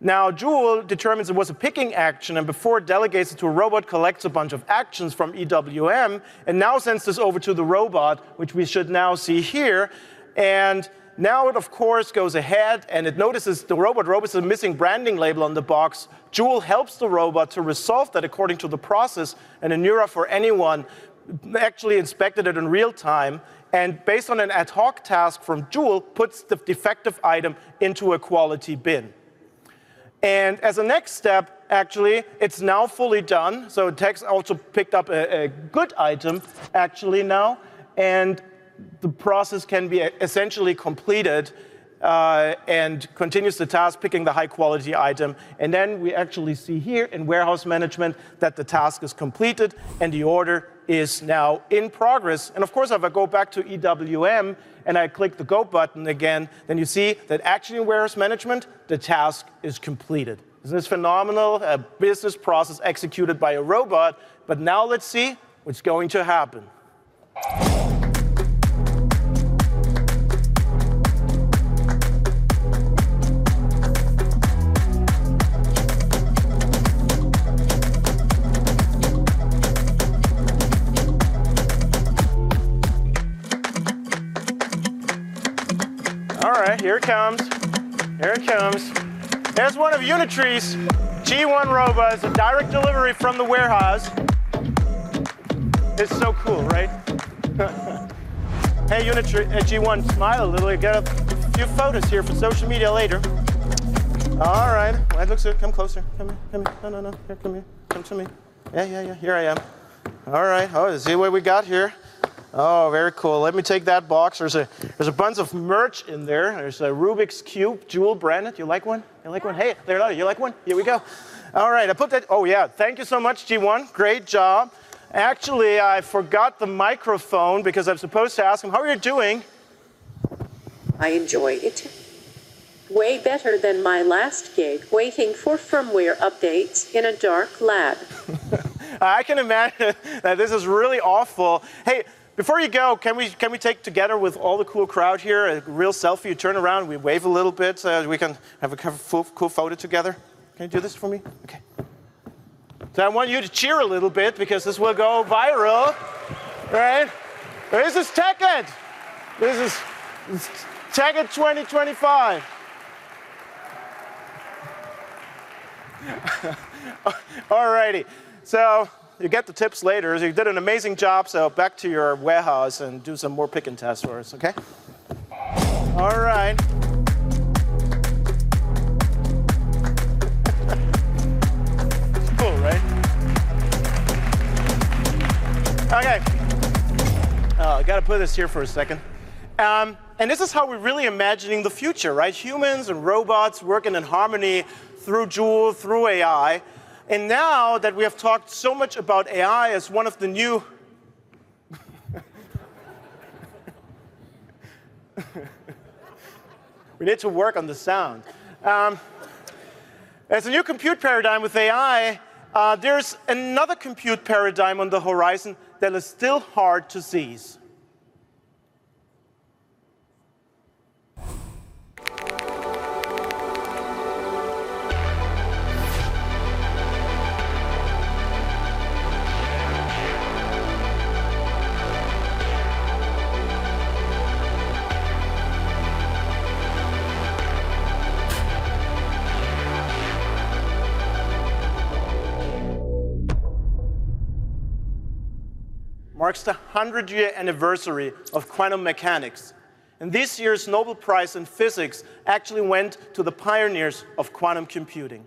Now, Joule determines it was a picking action. Before it delegates it to a robot, it collects a bunch of actions from EWM and now sends this over to the robot, which we should now see here. It, of course, goes ahead. It notices the robot is missing a branding label on the box. Joule helps the robot to resolve that according to the process. In Neura, for anyone, actually inspected it in real time. Based on an ad hoc task from Joule, puts the defective item into a quality bin. As a next step, actually, it's now fully done. Teck also picked up a good item, actually, now. The process can be essentially completed and continues the task picking the high-quality item. Then we actually see here in warehouse management that the task is completed and the order is now in progress. Of course, if I go back to EWM and I click the Go button again, you see that actually in warehouse management, the task is completed. This is phenomenal, a business process executed by a robot. Now, let's see what's going to happen. All right, here it comes. Here it comes. Here's one of Unitree's G1 robots as a direct delivery from the warehouse. It's so cool, right? Hey, Unitree G1, smile a little. You've got a few photos here for social media later. All right. Come closer. Come here. Come here. No, no, no. Here, come here. Come to me. Yeah, yeah, yeah. Here I am. All right. Oh, see what we got here. Oh, very cool. Let me take that box. There's a bunch of merch in there. There's a Rubik's Cube Joule branded. You like one? You like one? Hey, there you are. You like one? Here we go. All right. Oh, yeah. Thank you so much, G1. Great job. Actually, I forgot the microphone because I was supposed to ask him, how are you doing? I enjoy it way better than my last gig, waiting for firmware updates in a dark lab. I can imagine that this is really awful. Hey, before you go, can we take together with all the cool crowd here a real selfie? You turn around. We wave a little bit so we can have a cool photo together. Can you do this for me? OK. I want you to cheer a little bit because this will go viral. Right? This is TechEd. This is TechEd 2025. All righty. You get the tips later. You did an amazing job. Back to your warehouse and do some more picking tests for us, OK? All right. Cool, right? OK. I have got to put this here for a second. This is how we are really imagining the future, right? Humans and robots working in harmony through Joule, through AI. Now that we have talked so much about AI as one of the new—we need to work on the sound. As a new compute paradigm with AI, there is another compute paradigm on the horizon that is still hard to seize. Marks the 100-year anniversary of quantum mechanics. This year's Nobel Prize in Physics actually went to the pioneers of quantum computing.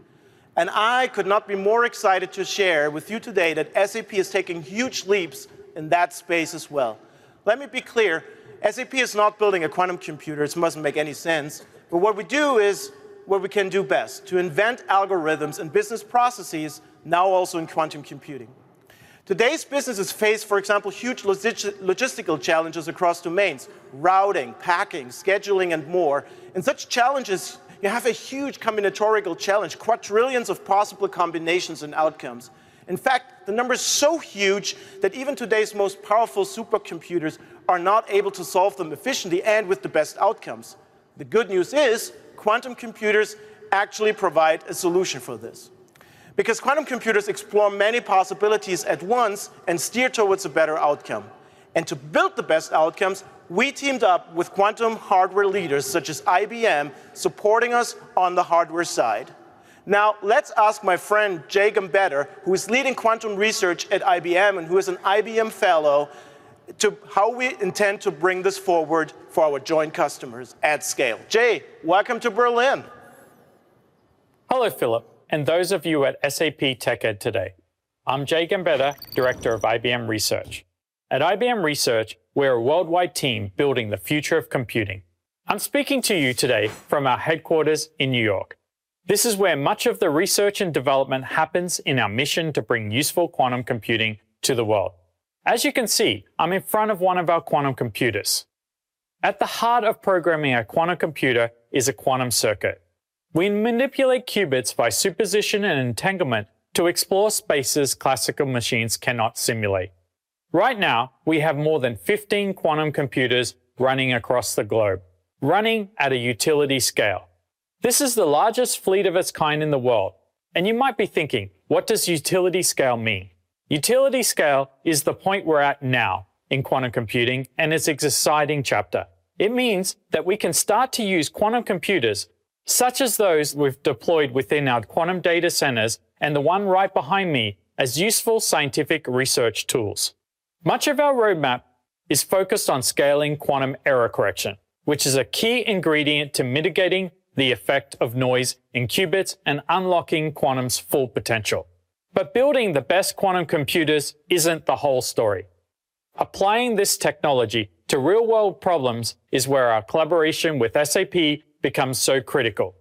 I could not be more excited to share with you today that SAP is taking huge leaps in that space as well. Let me be clear. SAP is not building a quantum computer. It mustn't make any sense. What we do is what we can do best to invent algorithms and business processes, now also in quantum computing. Today's businesses face, for example, huge logistical challenges across domains: routing, packing, scheduling, and more. Such challenges, you have a huge combinatorial challenge, quadrillions of possible combinations and outcomes. In fact, the number is so huge that even today's most powerful supercomputers are not able to solve them efficiently and with the best outcomes. The good news is quantum computers actually provide a solution for this because quantum computers explore many possibilities at once and steer towards a better outcome. To build the best outcomes, we teamed up with quantum hardware leaders such as IBM, supporting us on the hardware side. Now, let's ask my friend Jay Gambetta, who is leading quantum research at IBM and who is an IBM Fellow, how we intend to bring this forward for our joint customers at scale. Jay, welcome to Berlin. Hello, Philipp, and those of you at SAP TechEd today. I'm Jay Gambetta, Director of IBM Research. At IBM Research, we're a worldwide team building the future of computing. I'm speaking to you today from our headquarters in New York. This is where much of the research and development happens in our mission to bring useful quantum computing to the world. As you can see, I'm in front of one of our quantum computers. At the heart of programming a quantum computer is a quantum circuit. We manipulate qubits by superposition and entanglement to explore spaces classical machines cannot simulate. Right now, we have more than 15 quantum computers running across the globe, running at a utility scale. This is the largest fleet of its kind in the world. You might be thinking, what does utility scale mean? Utility scale is the point we're at now in quantum computing and its exciting chapter. It means that we can start to use quantum computers, such as those we've deployed within our quantum data centers and the one right behind me, as useful scientific research tools. Much of our roadmap is focused on scaling quantum error correction, which is a key ingredient to mitigating the effect of noise in qubits and unlocking quantum's full potential. Building the best quantum computers isn't the whole story. Applying this technology to real-world problems is where our collaboration with SAP becomes so critical.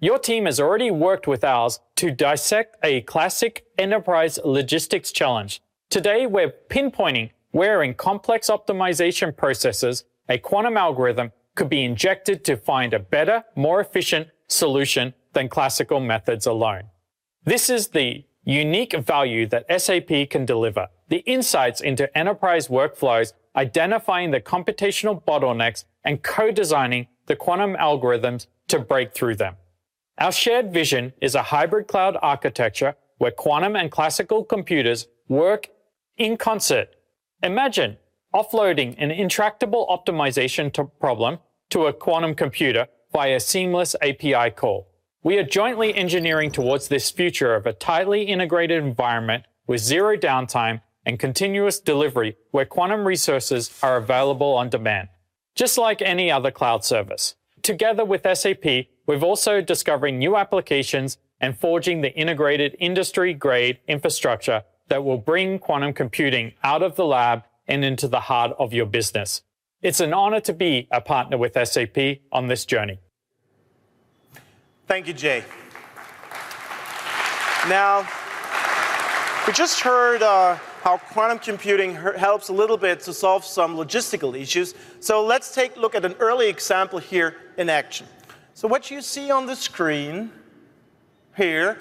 Your team has already worked with ours to dissect a classic enterprise logistics challenge. Today, we're pinpointing where in complex optimization processes a quantum algorithm could be injected to find a better, more efficient solution than classical methods alone. This is the unique value that SAP can deliver, the insights into enterprise workflows, identifying the computational bottlenecks and co-designing the quantum algorithms to break through them. Our shared vision is a hybrid cloud architecture where quantum and classical computers work in concert. Imagine offloading an intractable optimization problem to a quantum computer via a seamless API call. We are jointly engineering towards this future of a tightly integrated environment with zero downtime and continuous delivery where quantum resources are available on demand, just like any other cloud service. Together with SAP, we're also discovering new applications and forging the integrated industry-grade infrastructure that will bring quantum computing out of the lab and into the heart of your business. It's an honor to be a partner with SAP on this journey. Thank you, Jay. Now, we just heard how quantum computing helps a little bit to solve some logistical issues. Let's take a look at an early example here in action. What you see on the screen here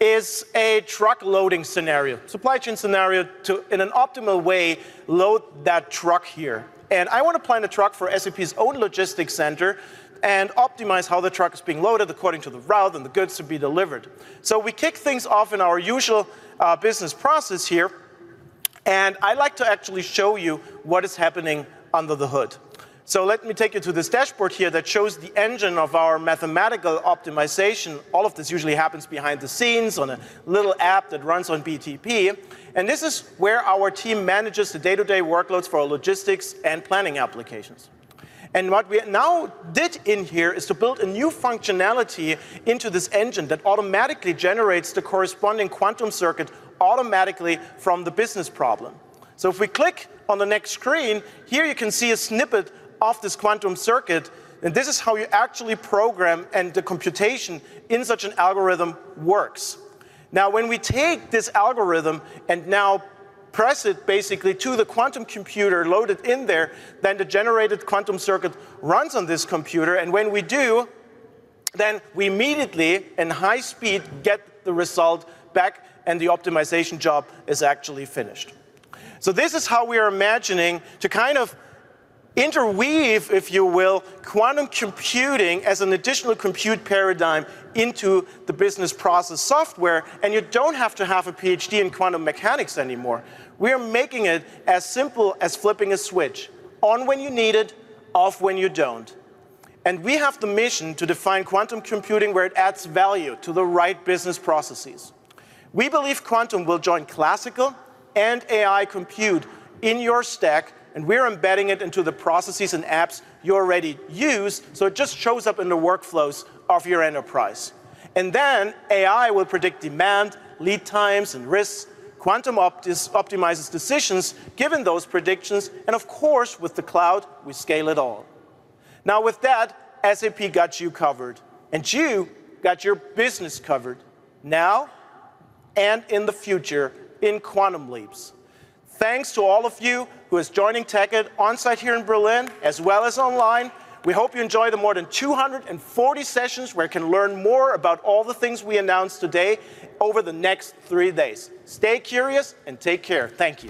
is a truck-loading scenario, supply chain scenario to, in an optimal way, load that truck here. I want to plan a truck for SAP's own logistics center and optimize how the truck is being loaded according to the route and the goods to be delivered. We kick things off in our usual business process here. I'd like to actually show you what is happening under the hood. Let me take you to this dashboard here that shows the engine of our mathematical optimization. All of this usually happens behind the scenes on a little app that runs on BTP. This is where our team manages the day-to-day workloads for logistics and planning applications. What we now did in here is to build a new functionality into this engine that automatically generates the corresponding quantum circuit automatically from the business problem. If we click on the next screen, here you can see a snippet of this quantum circuit. This is how you actually program and the computation in such an algorithm works. Now, when we take this algorithm and now press it basically to the quantum computer loaded in there, then the generated quantum circuit runs on this computer. When we do, then we immediately, in high speed, get the result back. The optimization job is actually finished. This is how we are imagining to kind of interweave, if you will, quantum computing as an additional compute paradigm into the business process software. You do not have to have a PhD in quantum mechanics anymore. We are making it as simple as flipping a switch: on when you need it, off when you do not. We have the mission to define quantum computing where it adds value to the right business processes. We believe quantum will join classical and AI compute in your stack. We are embedding it into the processes and apps you already use. It just shows up in the workflows of your enterprise. AI will predict demand, lead times, and risks. Quantum optimizes decisions given those predictions. With the cloud, we scale it all. With that, SAP got you covered. You got your business covered now and in the future in Quantum Leaps. Thanks to all of you who are joining TechEd on site here in Berlin, as well as online. We hope you enjoy the more than 240 sessions where you can learn more about all the things we announced today over the next three days. Stay curious and take care. Thank you.